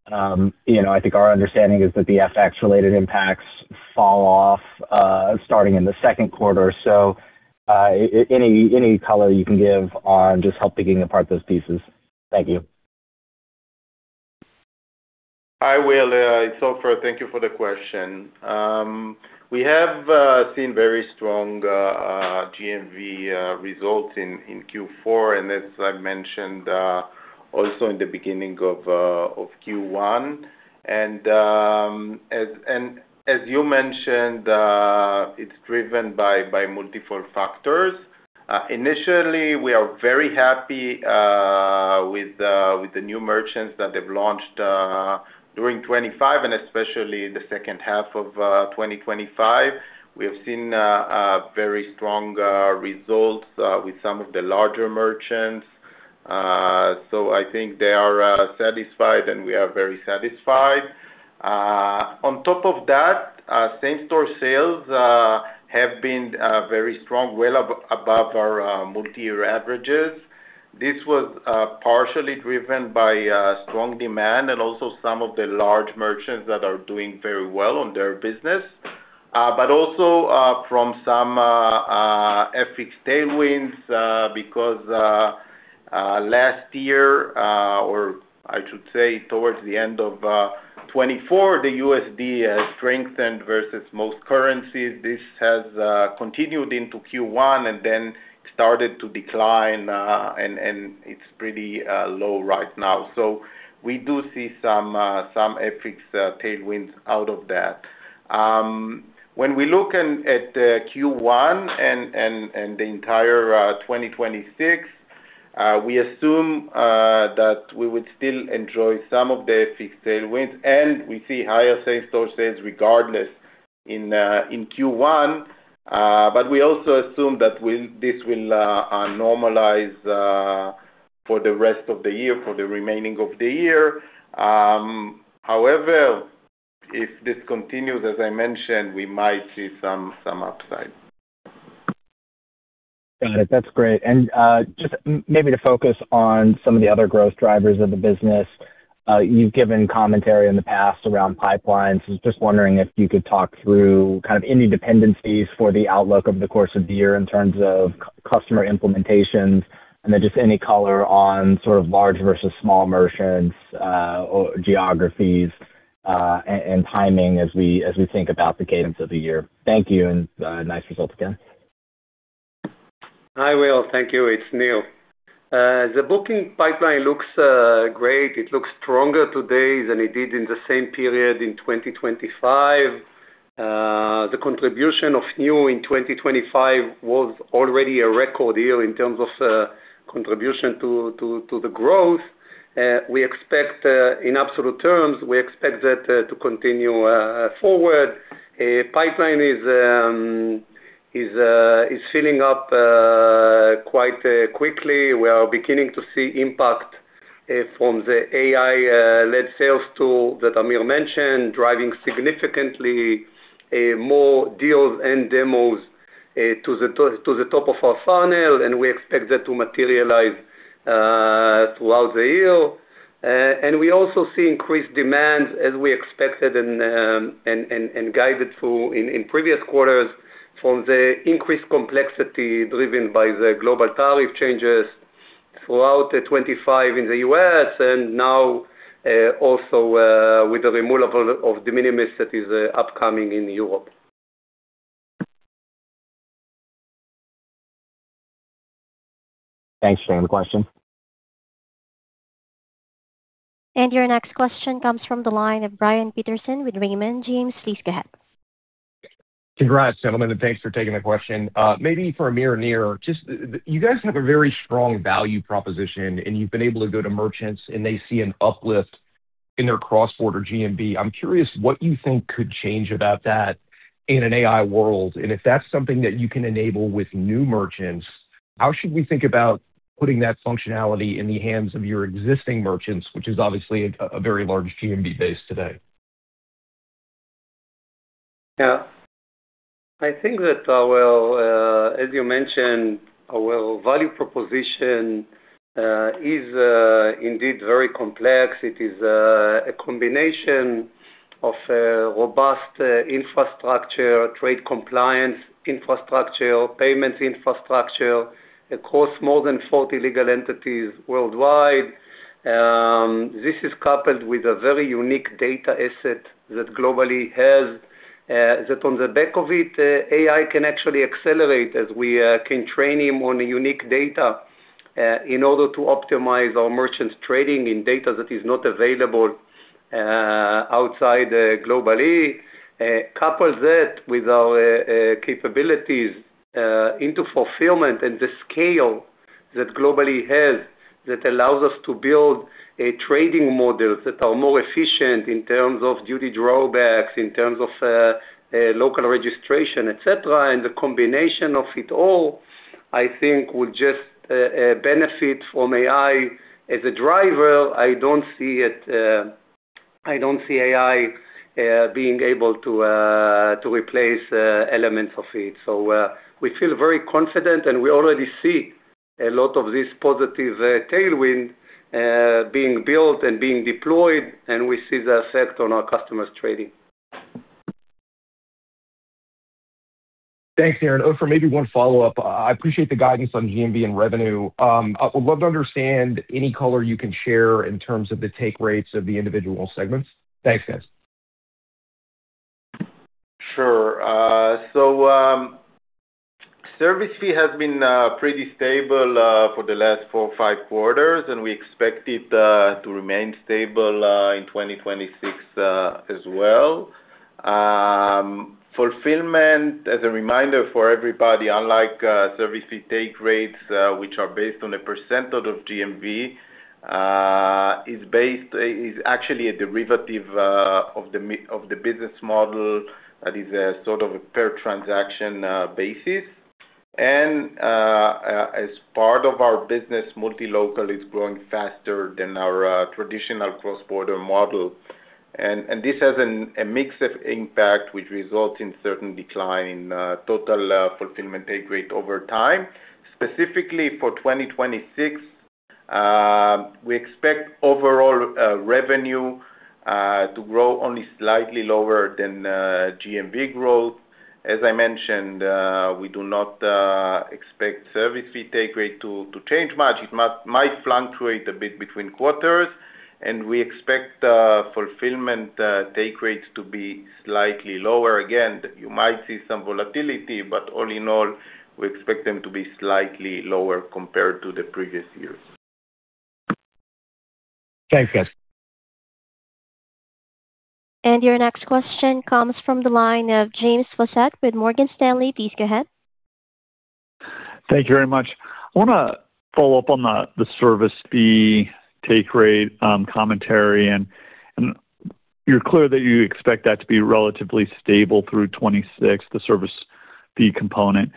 S5: You know, I think our understanding is that the FX-related impacts fall off starting in the second quarter or so. Any color you can give on just help picking apart those pieces? Thank you.
S4: I will, so far, thank you for the question. We have seen very strong GMV results in Q4, and as I mentioned, also in the beginning of Q1. And as you mentioned, it's driven by multiple factors. Initially, we are very happy with the new merchants that they've launched during 25 and especially in the second half of 2025. We have seen a very strong results with some of the larger merchants. So I think they are satisfied, and we are very satisfied. On top of that, same-store sales have been very strong, well above our multi-year averages. This was partially driven by strong demand and also some of the large merchants that are doing very well on their business, but also from some FX tailwinds, because last year, or I should say, towards the end of 2024, the USD strengthened versus most currencies. This has continued into Q1 and then started to decline, and it's pretty low right now. So we do see some some FX tailwinds out of that. When we look in at Q1 and the entire 2026, we assume that we would still enjoy some of the FX tailwinds, and we see higher same-store sales regardless in in Q1. But we also assume that this will normalize for the rest of the year, for the remaining of the year. However, if this continues, as I mentioned, we might see some upside.
S5: Got it. That's great. And just maybe to focus on some of the other growth drivers of the business. You've given commentary in the past around pipelines. I was just wondering if you could talk through kind of any dependencies for the outlook over the course of the year in terms of customer implementations, and then just any color on sort of large versus small merchants, or geographies, and timing as we think about the cadence of the year. Thank you, and nice results again.
S6: I will. Thank you. It's Nir. The booking pipeline looks great. It looks stronger today than it did in the same period in 2025. The contribution of new in 2025 was already a record year in terms of contribution to the growth. We expect in absolute terms, we expect that to continue forward. Pipeline is filling up quite quickly. We are beginning to see impact from the AI-led sales tool that Amir mentioned, driving significantly more deals and demos to the top of our funnel, and we expect that to materialize throughout the year. And we also see increased demand, as we expected and guided through in previous quarters, from the increased complexity driven by the global tariff changes throughout 2025 in the US and now also with the removal of de minimis that is upcoming in Europe.
S5: Thanks for the question.
S1: Your next question comes from the line of Brian Petersen with Raymond James. Please go ahead.
S7: Congrats, gentlemen, and thanks for taking the question. Maybe for Amir, Nir, just you guys have a very strong value proposition, and you've been able to go to merchants, and they see an uplift in their cross-border GMV. I'm curious what you think could change about that in an AI world, and if that's something that you can enable with new merchants, how should we think about putting that functionality in the hands of your existing merchants, which is obviously a very large GMV base today?
S6: Yeah. I think that, well, as you mentioned, our value proposition is indeed very complex. It is a combination of robust infrastructure, trade compliance, infrastructure, payments infrastructure. It costs more than 40 legal entities worldwide. This is coupled with a very unique data asset that Global-e has, that on the back of it, AI can actually accelerate as we can train him on a unique data in order to optimize our merchants trading in data that is not available outside globally. Couple that with our capabilities into fulfillment and the scale that Global-e has, that allows us to build a trading models that are more efficient in terms of Duty Drawbacks, in terms of local registration, et cetera. And the combination of it all, I think, will just benefit from AI. As a driver, I don't see it. I don't see AI being able to replace elements of it. So, we feel very confident, and we already see a lot of this positive tailwind being built and being deployed, and we see the effect on our customers' trading.
S7: Thanks, Alan. Oh, for maybe one follow-up. I appreciate the guidance on GMV and revenue. I would love to understand any color you can share in terms of the take rates of the individual segments. Thanks, guys.
S4: Sure. So, service fee has been pretty stable for the last four or five quarters, and we expect it to remain stable in 2026 as well. Fulfillment, as a reminder for everybody, unlike service fee take rates, which are based on a percentage of GMV, is based, is actually a derivative of the business model that is a sort of a per transaction basis. And, as part of our business, Multi-Local is growing faster than our traditional cross-border model. And this has a mix of impact which results in certain decline in total fulfillment take rate over time. Specifically for 2026, we expect overall revenue to grow only slightly lower than GMV growth. As I mentioned, we do not expect Service Fee Take Rate to change much. It might fluctuate a bit between quarters, and we expect fulfillment take rates to be slightly lower. Again, you might see some volatility, but all in all, we expect them to be slightly lower compared to the previous years.
S7: Thanks, guys.
S1: Your next question comes from the line of James Faucette with Morgan Stanley. Please go ahead.
S8: Thank you very much. I want to follow up on the service fee take rate commentary, and you're clear that you expect that to be relatively stable through 2026, the service fee component.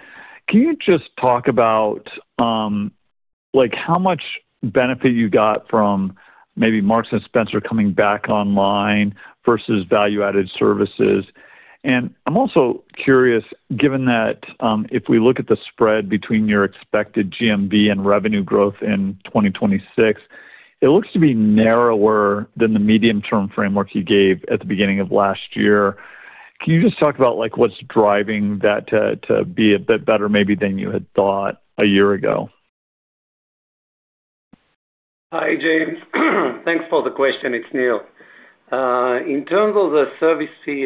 S8: Can you just talk about, like, how much benefit you got from maybe Marks & Spencer coming back online versus value-added services? And I'm also curious, given that, if we look at the spread between your expected GMV and revenue growth in 2026, it looks to be narrower than the medium-term frameworks you gave at the beginning of last year. Can you just talk about, like, what's driving that to be a bit better maybe than you had thought a year ago?
S6: Hi, James. Thanks for the question. It's Nir. In terms of the service fee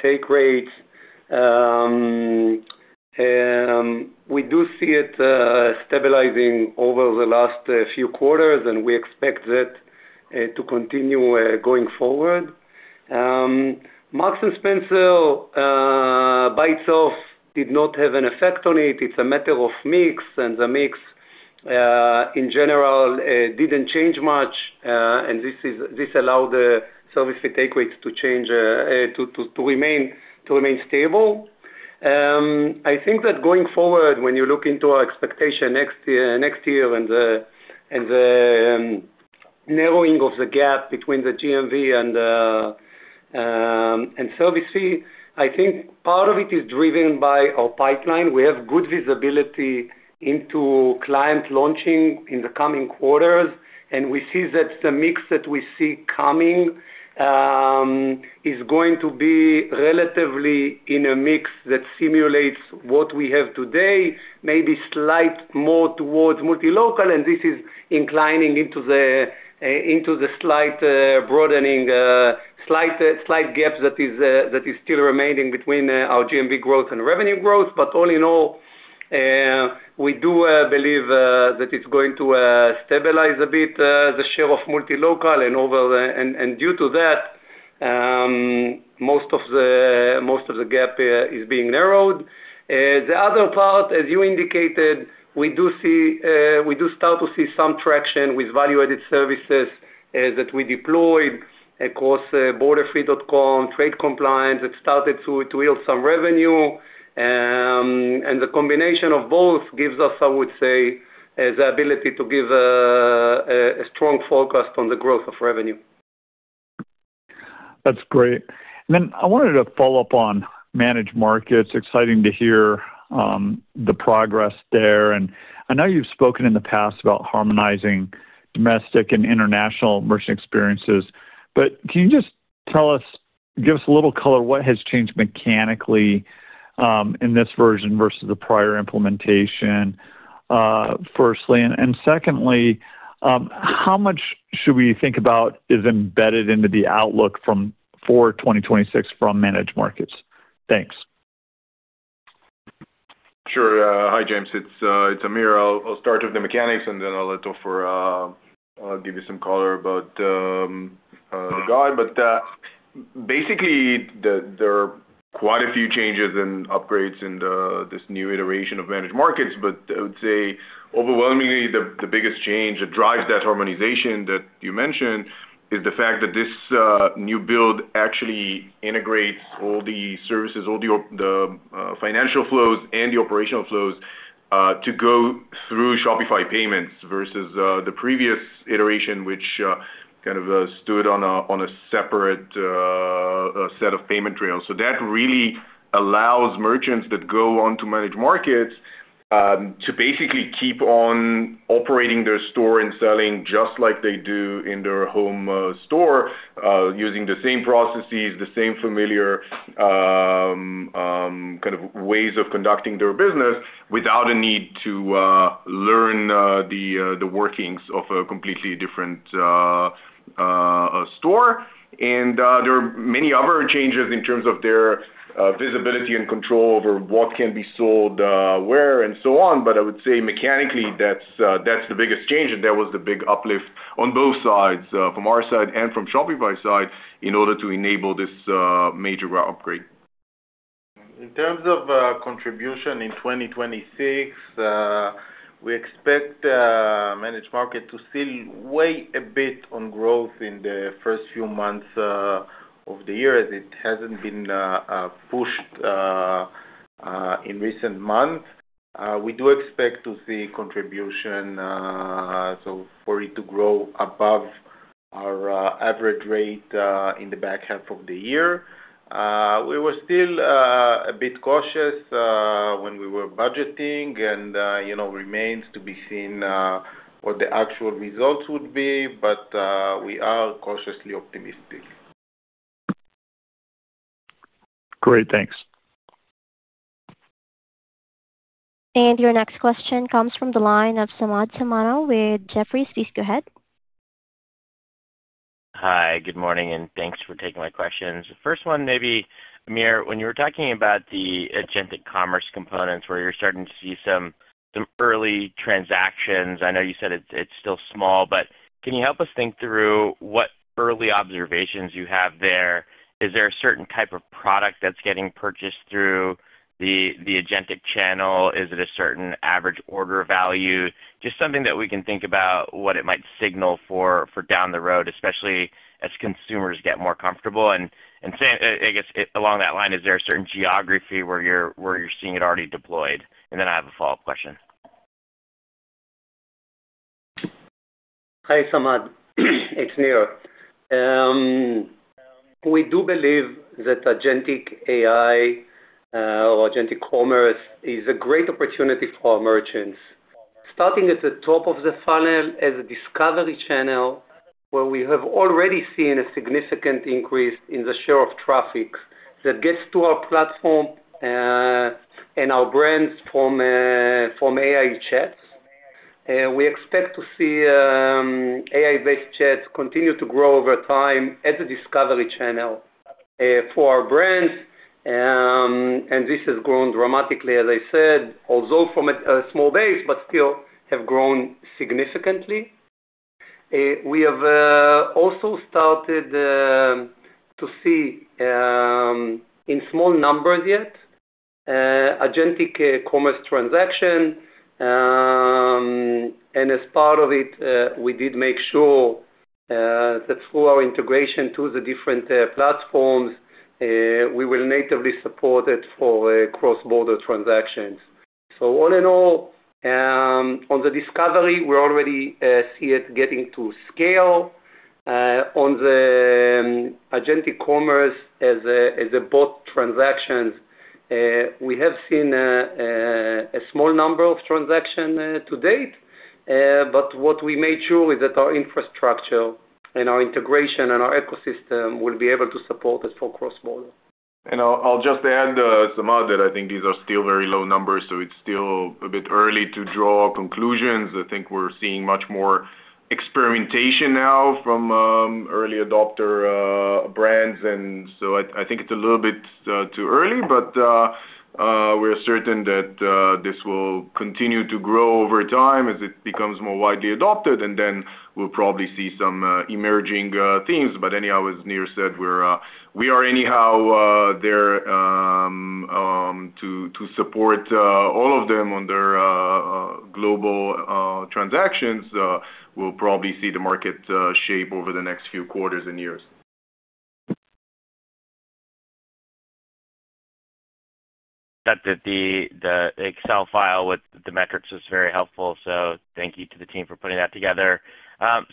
S6: take rates, we do see it stabilizing over the last few quarters, and we expect that to continue going forward. Marks & Spencer by itself did not have an effect on it. It's a matter of mix, and the mix in general didn't change much, and this allowed the service fee take rates to remain stable. I think that going forward, when you look into our expectation next year and the narrowing of the gap between the GMV and service fee, I think part of it is driven by our pipeline. We have good visibility into client launching in the coming quarters, and we see that the mix that we see coming is going to be relatively in a mix that simulates what we have today, maybe slight more towards Multi-Local, and this is inclining into the slight broadening, slight gap that is still remaining between our GMV growth and revenue growth. But all in all, we do believe that it's going to stabilize a bit the share of Multi-Local and over the and due to that, most of the gap is being narrowed. The other part, as you indicated, we start to see some traction with value-added services that we deployed across borderfree.com, trade compliance. It started to yield some revenue, and the combination of both gives us, I would say, the ability to give a strong forecast on the growth of revenue.
S8: That's great. Then I wanted to follow up on Managed Markets. Exciting to hear the progress there, and I know you've spoken in the past about harmonizing domestic and international merchant experiences, but can you just tell us, give us a little color, what has changed mechanically in this version versus the prior implementation, firstly? And secondly, how much should we think about is embedded into the outlook from 2026 from Managed Markets? Thanks.
S3: Sure. Hi, James. It's Amir. I'll start with the mechanics, and then I'll let Ofer give you some color about the guide. But basically, there are quite a few changes and upgrades in this new iteration of Managed Markets, but I would say overwhelmingly, the biggest change that drives that harmonization that you mentioned is the fact that this new build actually integrates all the services, all the financial flows and the operational flows to go through Shopify Payments versus the previous iteration, which kind of stood on a separate set of payment rails. So that really allows merchants that go on to Managed Markets to basically keep on operating their store and selling just like they do in their home store, using the same processes, the same familiar kind of ways of conducting their business without a need to learn the workings of a completely different Store, and there are many other changes in terms of their visibility and control over what can be sold where, and so on. But I would say mechanically, that's, that's the biggest change, and there was the big uplift on both sides from our side and from Shopify side, in order to enable this major upgrade.
S4: In terms of contribution in 2026, we expect managed market to still weigh a bit on growth in the first few months of the year, as it hasn't been pushed in recent months. We do expect to see contribution, so for it to grow above our average rate in the back half of the year. We were still a bit cautious when we were budgeting and, you know, remains to be seen what the actual results would be, but we are cautiously optimistic.
S8: Great, thanks.
S1: And your next question comes from the line of Samad Samana with Jefferies. Please go ahead.
S9: Hi, good morning, and thanks for taking my questions. The first one, maybe, Amir, when you were talking about the agentic commerce components, where you're starting to see some early transactions, I know you said it's still small, but can you help us think through what early observations you have there? Is there a certain type of product that's getting purchased through the agentic channel? Is it a certain average order value? Just something that we can think about, what it might signal for down the road, especially as consumers get more comfortable. And I guess, along that line, is there a certain geography where you're seeing it already deployed? And then I have a follow-up question.
S6: Hi, Samad. It's Nir. We do believe that Agentic AI or agentic commerce is a great opportunity for our merchants. Starting at the top of the funnel as a discovery channel, where we have already seen a significant increase in the share of traffic that gets to our platform and our brands from AI chats. We expect to see AI-based chats continue to grow over time as a discovery channel for our brands. And this has grown dramatically, as I said, although from a small base, but still have grown significantly. We have also started to see, in small numbers yet, agentic commerce transaction. And as part of it, we did make sure that through our integration to the different platforms, we will natively support it for cross-border transactions. So all in all, on the discovery, we already see it getting to scale. On the agentic commerce as a bot transactions, we have seen a small number of transaction to date, but what we made sure is that our infrastructure and our integration and our ecosystem will be able to support us for cross-border.
S3: And I'll just add, Samad, that I think these are still very low numbers, so it's still a bit early to draw conclusions. I think we're seeing much more experimentation now from early adopter brands, and so I think it's a little bit too early. But we're certain that this will continue to grow over time as it becomes more widely adopted, and then we'll probably see some emerging themes. But anyhow, as Nir said, we're anyhow there to support all of them on their global transactions. We'll probably see the market shape over the next few quarters and years.
S9: That the Excel file with the metrics is very helpful, so thank you to the team for putting that together.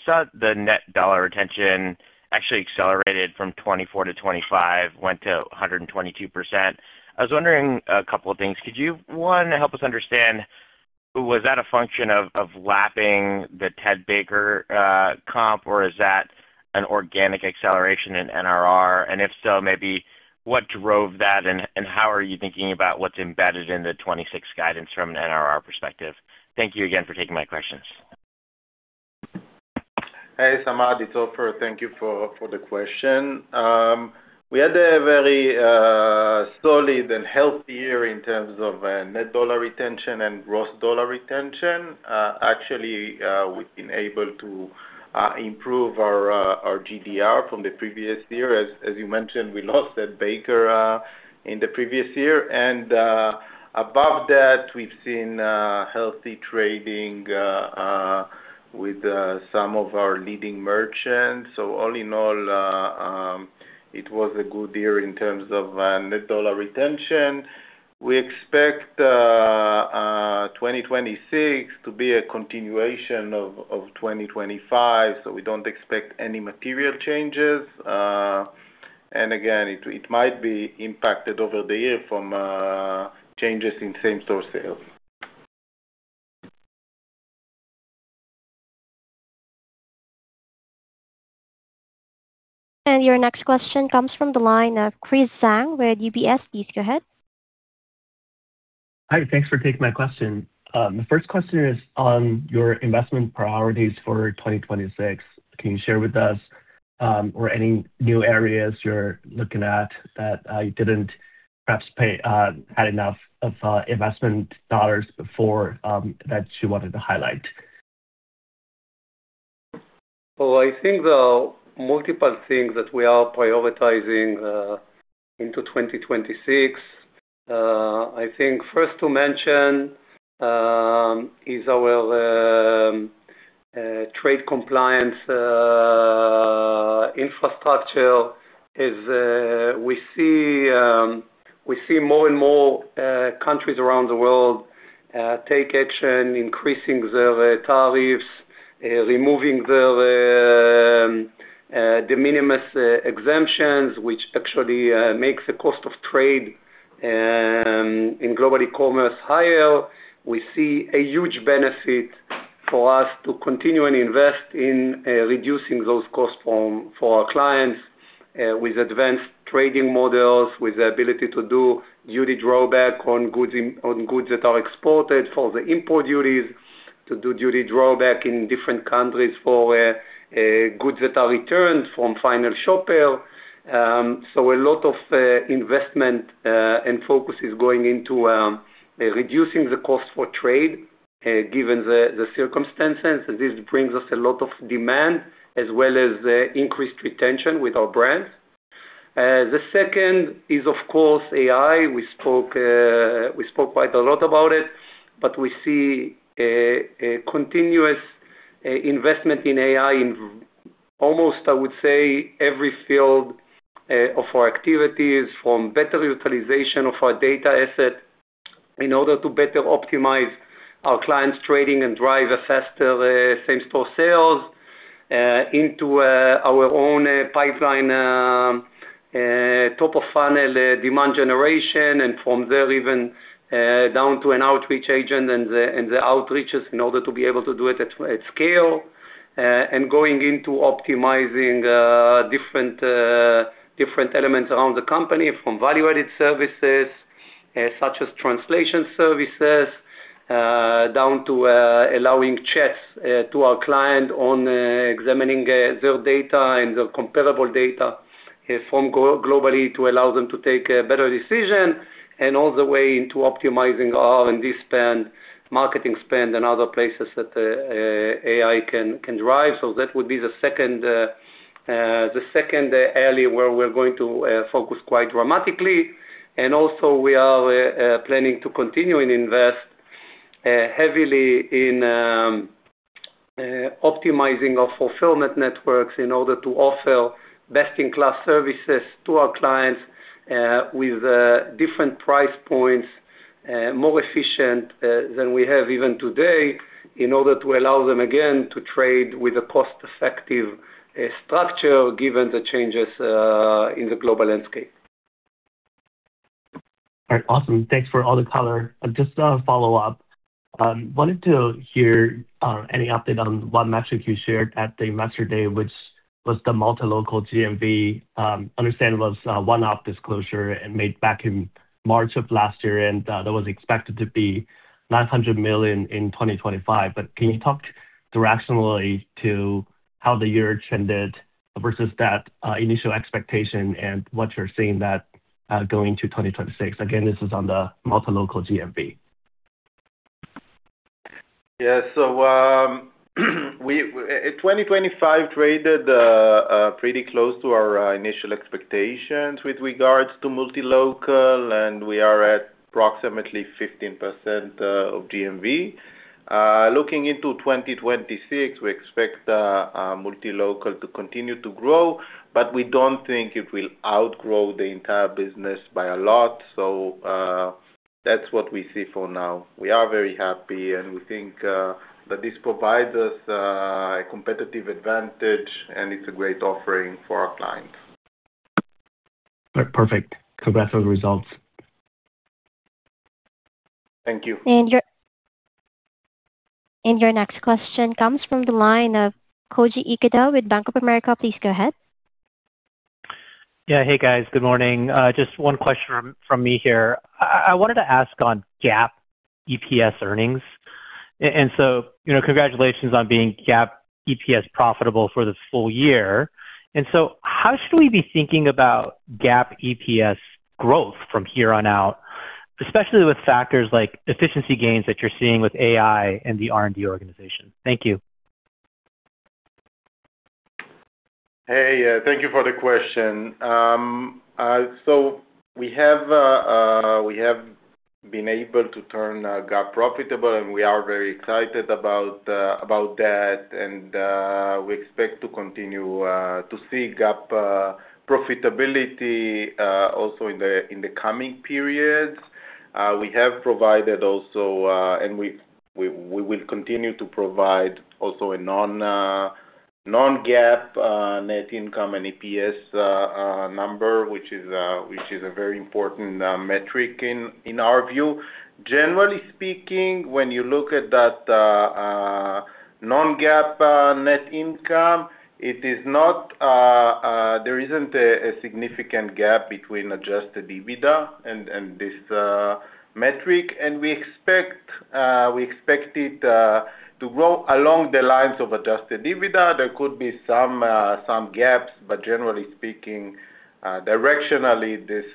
S9: Saw the net dollar retention actually accelerated from 2024 to 2025, went to 122%. I was wondering a couple of things. Could you, one, help us understand, was that a function of lapping the Ted Baker comp, or is that an organic acceleration in NDR? And if so, maybe what drove that, and how are you thinking about what's embedded in the 2026 guidance from an NDR perspective? Thank you again for taking my questions.
S4: Hey, Samad, it's Ofer. Thank you for, for the question. We had a very, solid and healthy year in terms of, net dollar retention and gross dollar retention. Actually, we've been able to, improve our, our GDR from the previous year. As, as you mentioned, we lost Ted Baker, in the previous year. And, above that, we've seen, healthy trading, with, some of our leading merchants. So all in all, it was a good year in terms of, net dollar retention. We expect, 2026 to be a continuation of, 2025, so we don't expect any material changes. And again, it, it might be impacted over the year from, changes in same-store sales.
S1: Your next question comes from the line of Chris Zhang with UBS. Please go ahead.
S10: Hi, thanks for taking my question. The first question is on your investment priorities for 2026. Can you share with us or any new areas you're looking at that you didn't perhaps pay had enough of investment dollars before that you wanted to highlight?
S6: Well, I think there are multiple things that we are prioritizing into 2026. I think first to mention is our trade compliance infrastructure. We see more and more countries around the world take action, increasing their tariffs, removing their de minimis exemptions, which actually makes the cost of trade in global commerce higher. We see a huge benefit for us to continue and invest in reducing those costs for our clients with advanced trading models, with the ability to do Duty Drawback on goods that are exported for the import duties, to do Duty Drawback in different countries for goods that are returned from final shopper. So a lot of investment and focus is going into reducing the cost for trade given the circumstances. This brings us a lot of demand, as well as increased retention with our brands. The second is, of course, AI. We spoke quite a lot about it, but we see a continuous investment in AI in almost, I would say, every field of our activities, from better utilization of our data asset, in order to better optimize our clients' trading and drive a faster same-store sales into our own pipeline top of funnel demand generation, and from there, even down to an outreach agent and the outreaches in order to be able to do it at scale. And going into optimizing different elements around the company, from value-added services such as translation services down to allowing chats to our client on examining their data and their comparable data from globally, to allow them to make a better decision, and all the way into optimizing R&D spend, marketing spend, and other places that AI can drive. So that would be the second area where we're going to focus quite dramatically. And also we are planning to continue and invest heavily in optimizing our fulfillment networks in order to offer best-in-class services to our clients with different price points more efficient than we have even today, in order to allow them, again, to trade with a cost-effective structure, given the changes in the global landscape.
S10: All right. Awesome. Thanks for all the color. Just a follow-up. Wanted to hear, any update on one metric you shared at the Investor Day, which was the Multi-Local GMV. Understandably, it was a one-off disclosure and made back in March of last year, and, that was expected to be $900 million in 2025. But can you talk directionally to how the year trended versus that, initial expectation and what you're seeing that, going to 2026? Again, this is on the Multi-Local GMV.
S6: Yeah. So, 2025 traded pretty close to our initial expectations with regards to Multi-Local, and we are at approximately 15% of GMV. Looking into 2026, we expect Multi-Local to continue to grow, but we don't think it will outgrow the entire business by a lot. So, that's what we see for now. We are very happy, and we think that this provides us a competitive advantage, and it's a great offering for our clients.
S10: Perfect. Congrats on the results.
S6: Thank you.
S1: And your next question comes from the line of Koji Ikeda with Bank of America. Please go ahead.
S11: Yeah. Hey, guys. Good morning. Just one question from me here. I wanted to ask on GAAP EPS earnings. And so, you know, congratulations on being GAAP EPS profitable for the full year. And so how should we be thinking about GAAP EPS growth from here on out, especially with factors like efficiency gains that you're seeing with AI and the R&D organization? Thank you.
S4: Hey, thank you for the question. So we have been able to turn GAAP profitable, and we are very excited about that. And we expect to continue to see GAAP profitability also in the coming periods. We have provided also and we will continue to provide also a non-GAAP net income and EPS number, which is a very important metric in our view. Generally speaking, when you look at that non-GAAP net income, it is not there isn't a significant gap between Adjusted EBITDA and this metric, and we expect it to grow along the lines of Adjusted EBITDA. There could be some gaps, but generally speaking, directionally, this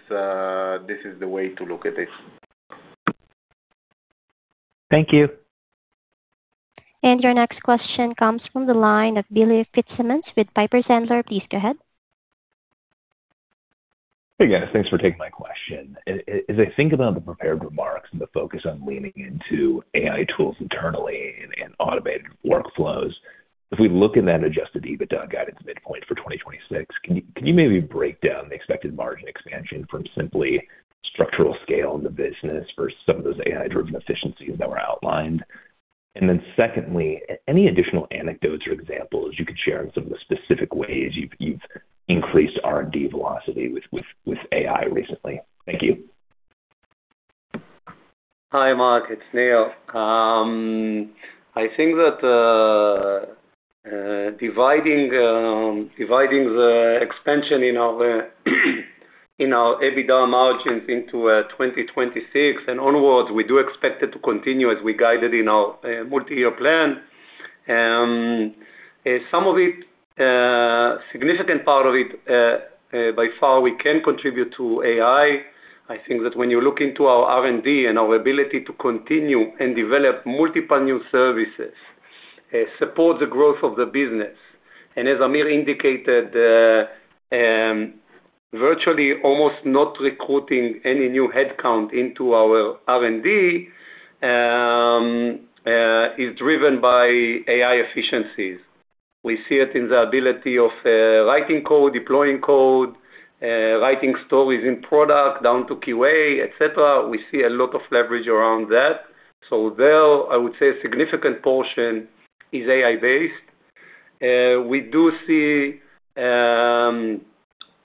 S4: is the way to look at it.
S3: Thank you.
S1: Your next question comes from the line of Billy Fitzsimmons with Piper Sandler. Please go ahead.
S12: Hey, guys. Thanks for taking my question. As I think about the prepared remarks and the focus on leaning into AI tools internally and automated workflows, if we look in that Adjusted EBITDA guidance midpoint for 2026, can you maybe break down the expected margin expansion from simply structural scale in the business versus some of those AI-driven efficiencies that were outlined? And then secondly, any additional anecdotes or examples you could share on some of the specific ways you've increased R&D velocity with AI recently? Thank you.
S6: Hi, Billy, it's Nir. I think that dividing the expansion in our EBITDA margins into 2026 and onwards, we do expect it to continue as we guided in our multi-year plan. Some of it, significant part of it, by far, we can contribute to AI. I think that when you look into our R&D and our ability to continue and develop multiple new services, support the growth of the business, and as Amir indicated, virtually almost not recruiting any new headcount into our R&D, is driven by AI efficiencies. We see it in the ability of writing code, deploying code, writing stories in product, down to QA, et cetera. We see a lot of leverage around that. So there, I would say a significant portion is AI-based. We do see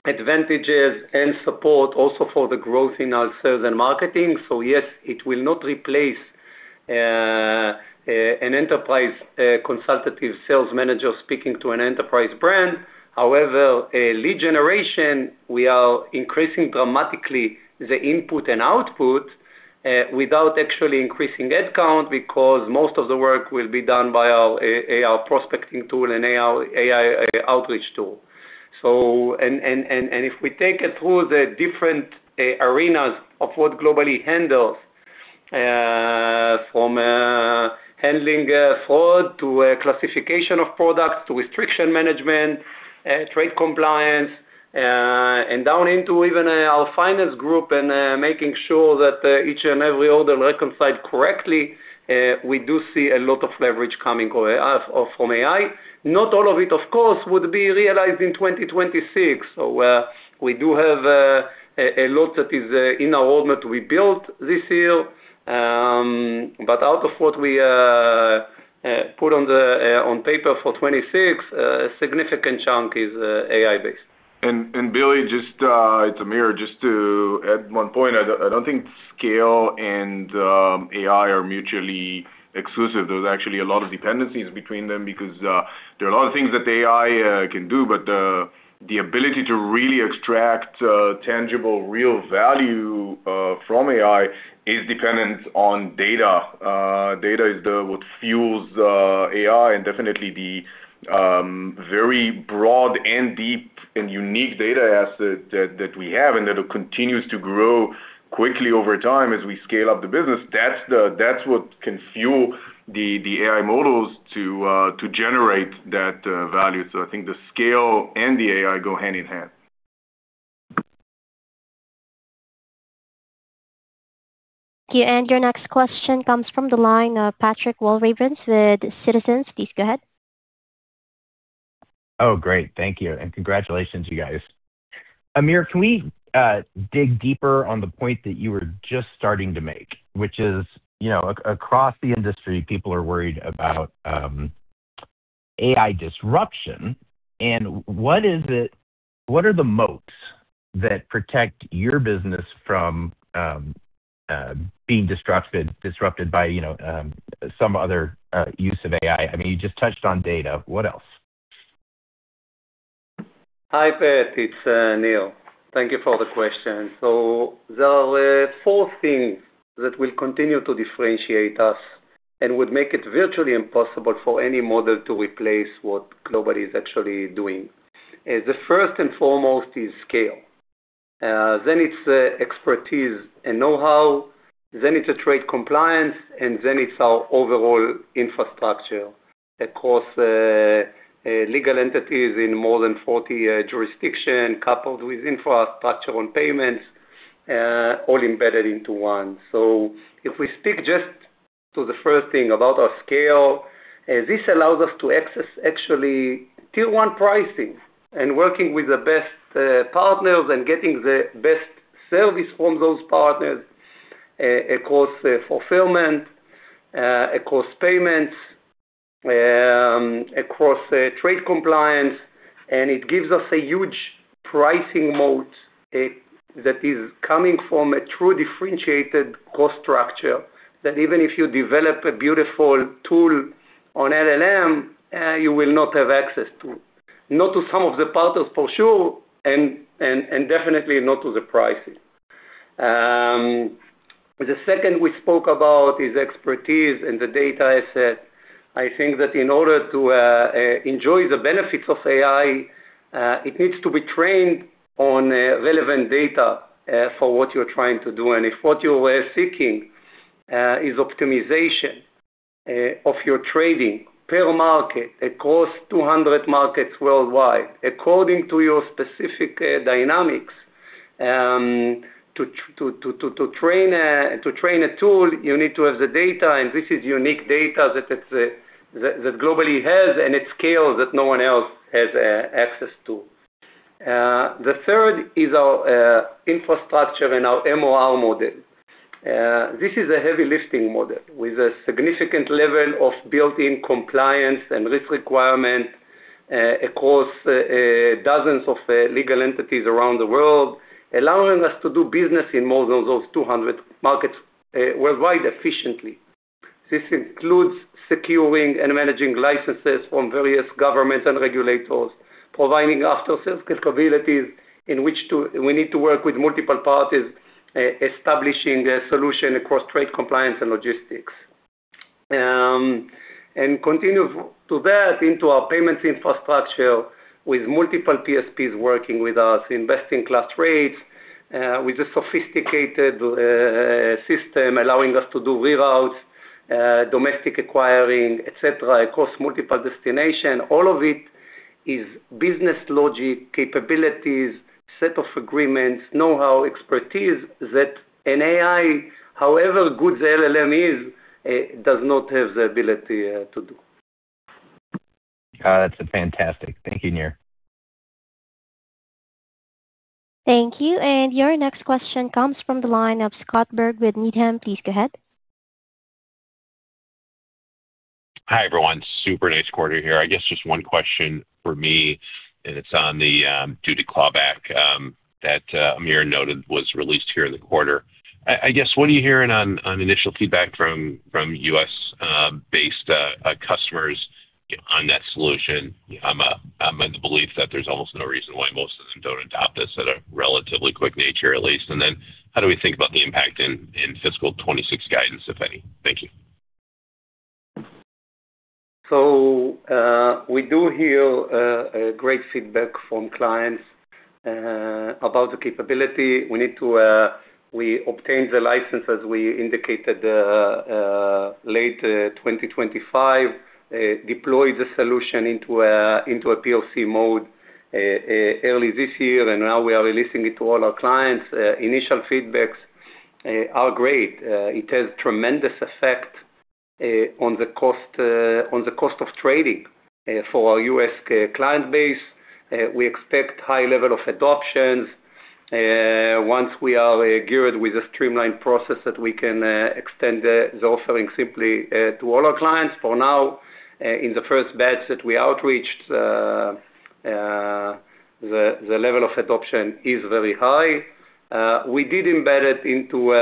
S6: advantages and support also for the growth in our sales and marketing. So yes, it will not replace an enterprise consultative sales manager speaking to an enterprise brand. However, for lead generation, we are increasing dramatically the input and output without actually increasing head count, because most of the work will be done by our AI prospecting tool and AI outreach tool. So, and if we take it through the different areas of what Global-e handles, from handling fraud to classification of products, to restriction management, trade compliance, and down into even our finance group and making sure that each and every order reconciled correctly, we do see a lot of leverage coming from AI. Not all of it, of course, would be realized in 2026. So, we do have a lot that is in our roadmap we built this year. But out of what we put on paper for 2026, a significant chunk is AI-based.
S3: And Billy, just, it's Amir, just to add one point, I don't think scale and AI are mutually exclusive. There's actually a lot of dependencies between them because there are a lot of things that AI can do, but the ability to really extract tangible, real value from AI is dependent on data. Data is what fuels AI, and definitely the very broad and deep and unique data asset that we have and that continues to grow quickly over time as we scale up the business. That's what can fuel the AI models to generate that value. So I think the scale and the AI go hand in hand.
S1: Thank you. Your next question comes from the line of Patrick Walravens with Citizens. Please go ahead.
S13: Oh, great. Thank you, and congratulations, you guys. Amir, can we dig deeper on the point that you were just starting to make, which is, you know, across the industry, people are worried about AI disruption, and what is it--what are the moats that protect your business from being disrupted by, you know, some other use of AI? I mean, you just touched on data. What else?
S6: Hi, Pat, it's Nir. Thank you for the question. So there are four things that will continue to differentiate us and would make it virtually impossible for any model to replace what nobody's actually doing. The first and foremost is scale, then it's the expertise and know-how, then it's trade compliance, and then it's our overall infrastructure. Across legal entities in more than 40 jurisdictions, coupled with infrastructure on payments, all embedded into one. So if we stick just to the first thing about our scale, this allows us to access actually tier one pricing and working with the best partners and getting the best service from those partners, across fulfillment, across payments, across trade compliance, and it gives us a huge pricing moat. That is coming from a true differentiated cost structure, that even if you develop a beautiful tool on LLM, you will not have access to. Not to some of the partners, for sure, and definitely not to the pricing. The second we spoke about is expertise and the data set. I think that in order to enjoy the benefits of AI, it needs to be trained on relevant data for what you're trying to do. And if what you are seeking is optimization of your trading per market across 200 markets worldwide, according to your specific dynamics, to train a tool, you need to have the data, and this is unique data that Global-e has, and it's scale that no one else has access to. The third is our infrastructure and our MOR model. This is a heavy lifting model with a significant level of built-in compliance and risk requirement across dozens of legal entities around the world, allowing us to do business in more than those 200 markets worldwide efficiently. This includes securing and managing licenses from various governments and regulators, providing after-sales capabilities in which to—we need to work with multiple parties, establishing a solution across trade compliance and logistics. Continue to that, into our payments infrastructure with multiple TSPs working with us, investing class rates, with a sophisticated system allowing us to do reroutes, domestic acquiring, et cetera, across multiple destination. All of it is business logic, capabilities, set of agreements, know-how, expertise that an AI, however good the LLM is, does not have the ability to do.
S13: That's fantastic. Thank you, Nir.
S1: Thank you. Your next question comes from the line of Scott Berg with Needham. Please go ahead.
S14: Hi, everyone. Super nice quarter here. I guess just one question for me, and it's on the Duty Drawback that Amir noted was released here in the quarter. I guess, what are you hearing on initial feedback from U.S.-based customers on that solution? I'm in the belief that there's almost no reason why most of them don't adopt this at a relatively quick nature, at least. And then how do we think about the impact in fiscal 2026 guidance, if any? Thank you.
S6: We do hear a great feedback from clients about the capability. We obtained the license, as we indicated, late 2025. Deployed the solution into a POC mode early this year, and now we are releasing it to all our clients. Initial feedbacks are great. It has tremendous effect on the cost of trading for our U.S. client base. We expect high level of adoptions once we are geared with a streamlined process that we can extend the offering simply to all our clients. For now, in the first batch that we outreached, the level of adoption is very high. We did embed it into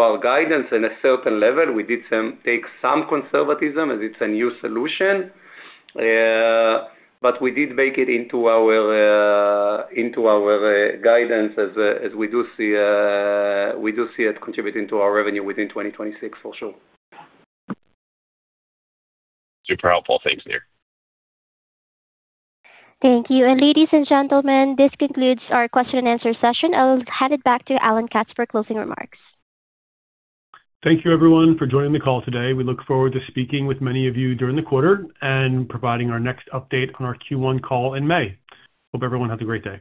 S6: our guidance in a certain level. We did take some conservatism, as it's a new solution. But we did bake it into our guidance, as we do see it contributing to our revenue within 2026, for sure.
S14: Super helpful. Thanks, Nir.
S1: Thank you. Ladies and gentlemen, this concludes our question and answer session. I'll hand it back to Alan Katz for closing remarks.
S2: Thank you, everyone, for joining the call today. We look forward to speaking with many of you during the quarter and providing our next update on our Q1 call in May. Hope everyone has a great day.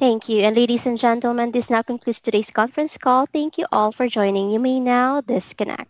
S1: Thank you. Ladies and gentlemen, this now concludes today's conference call. Thank you all for joining. You may now disconnect.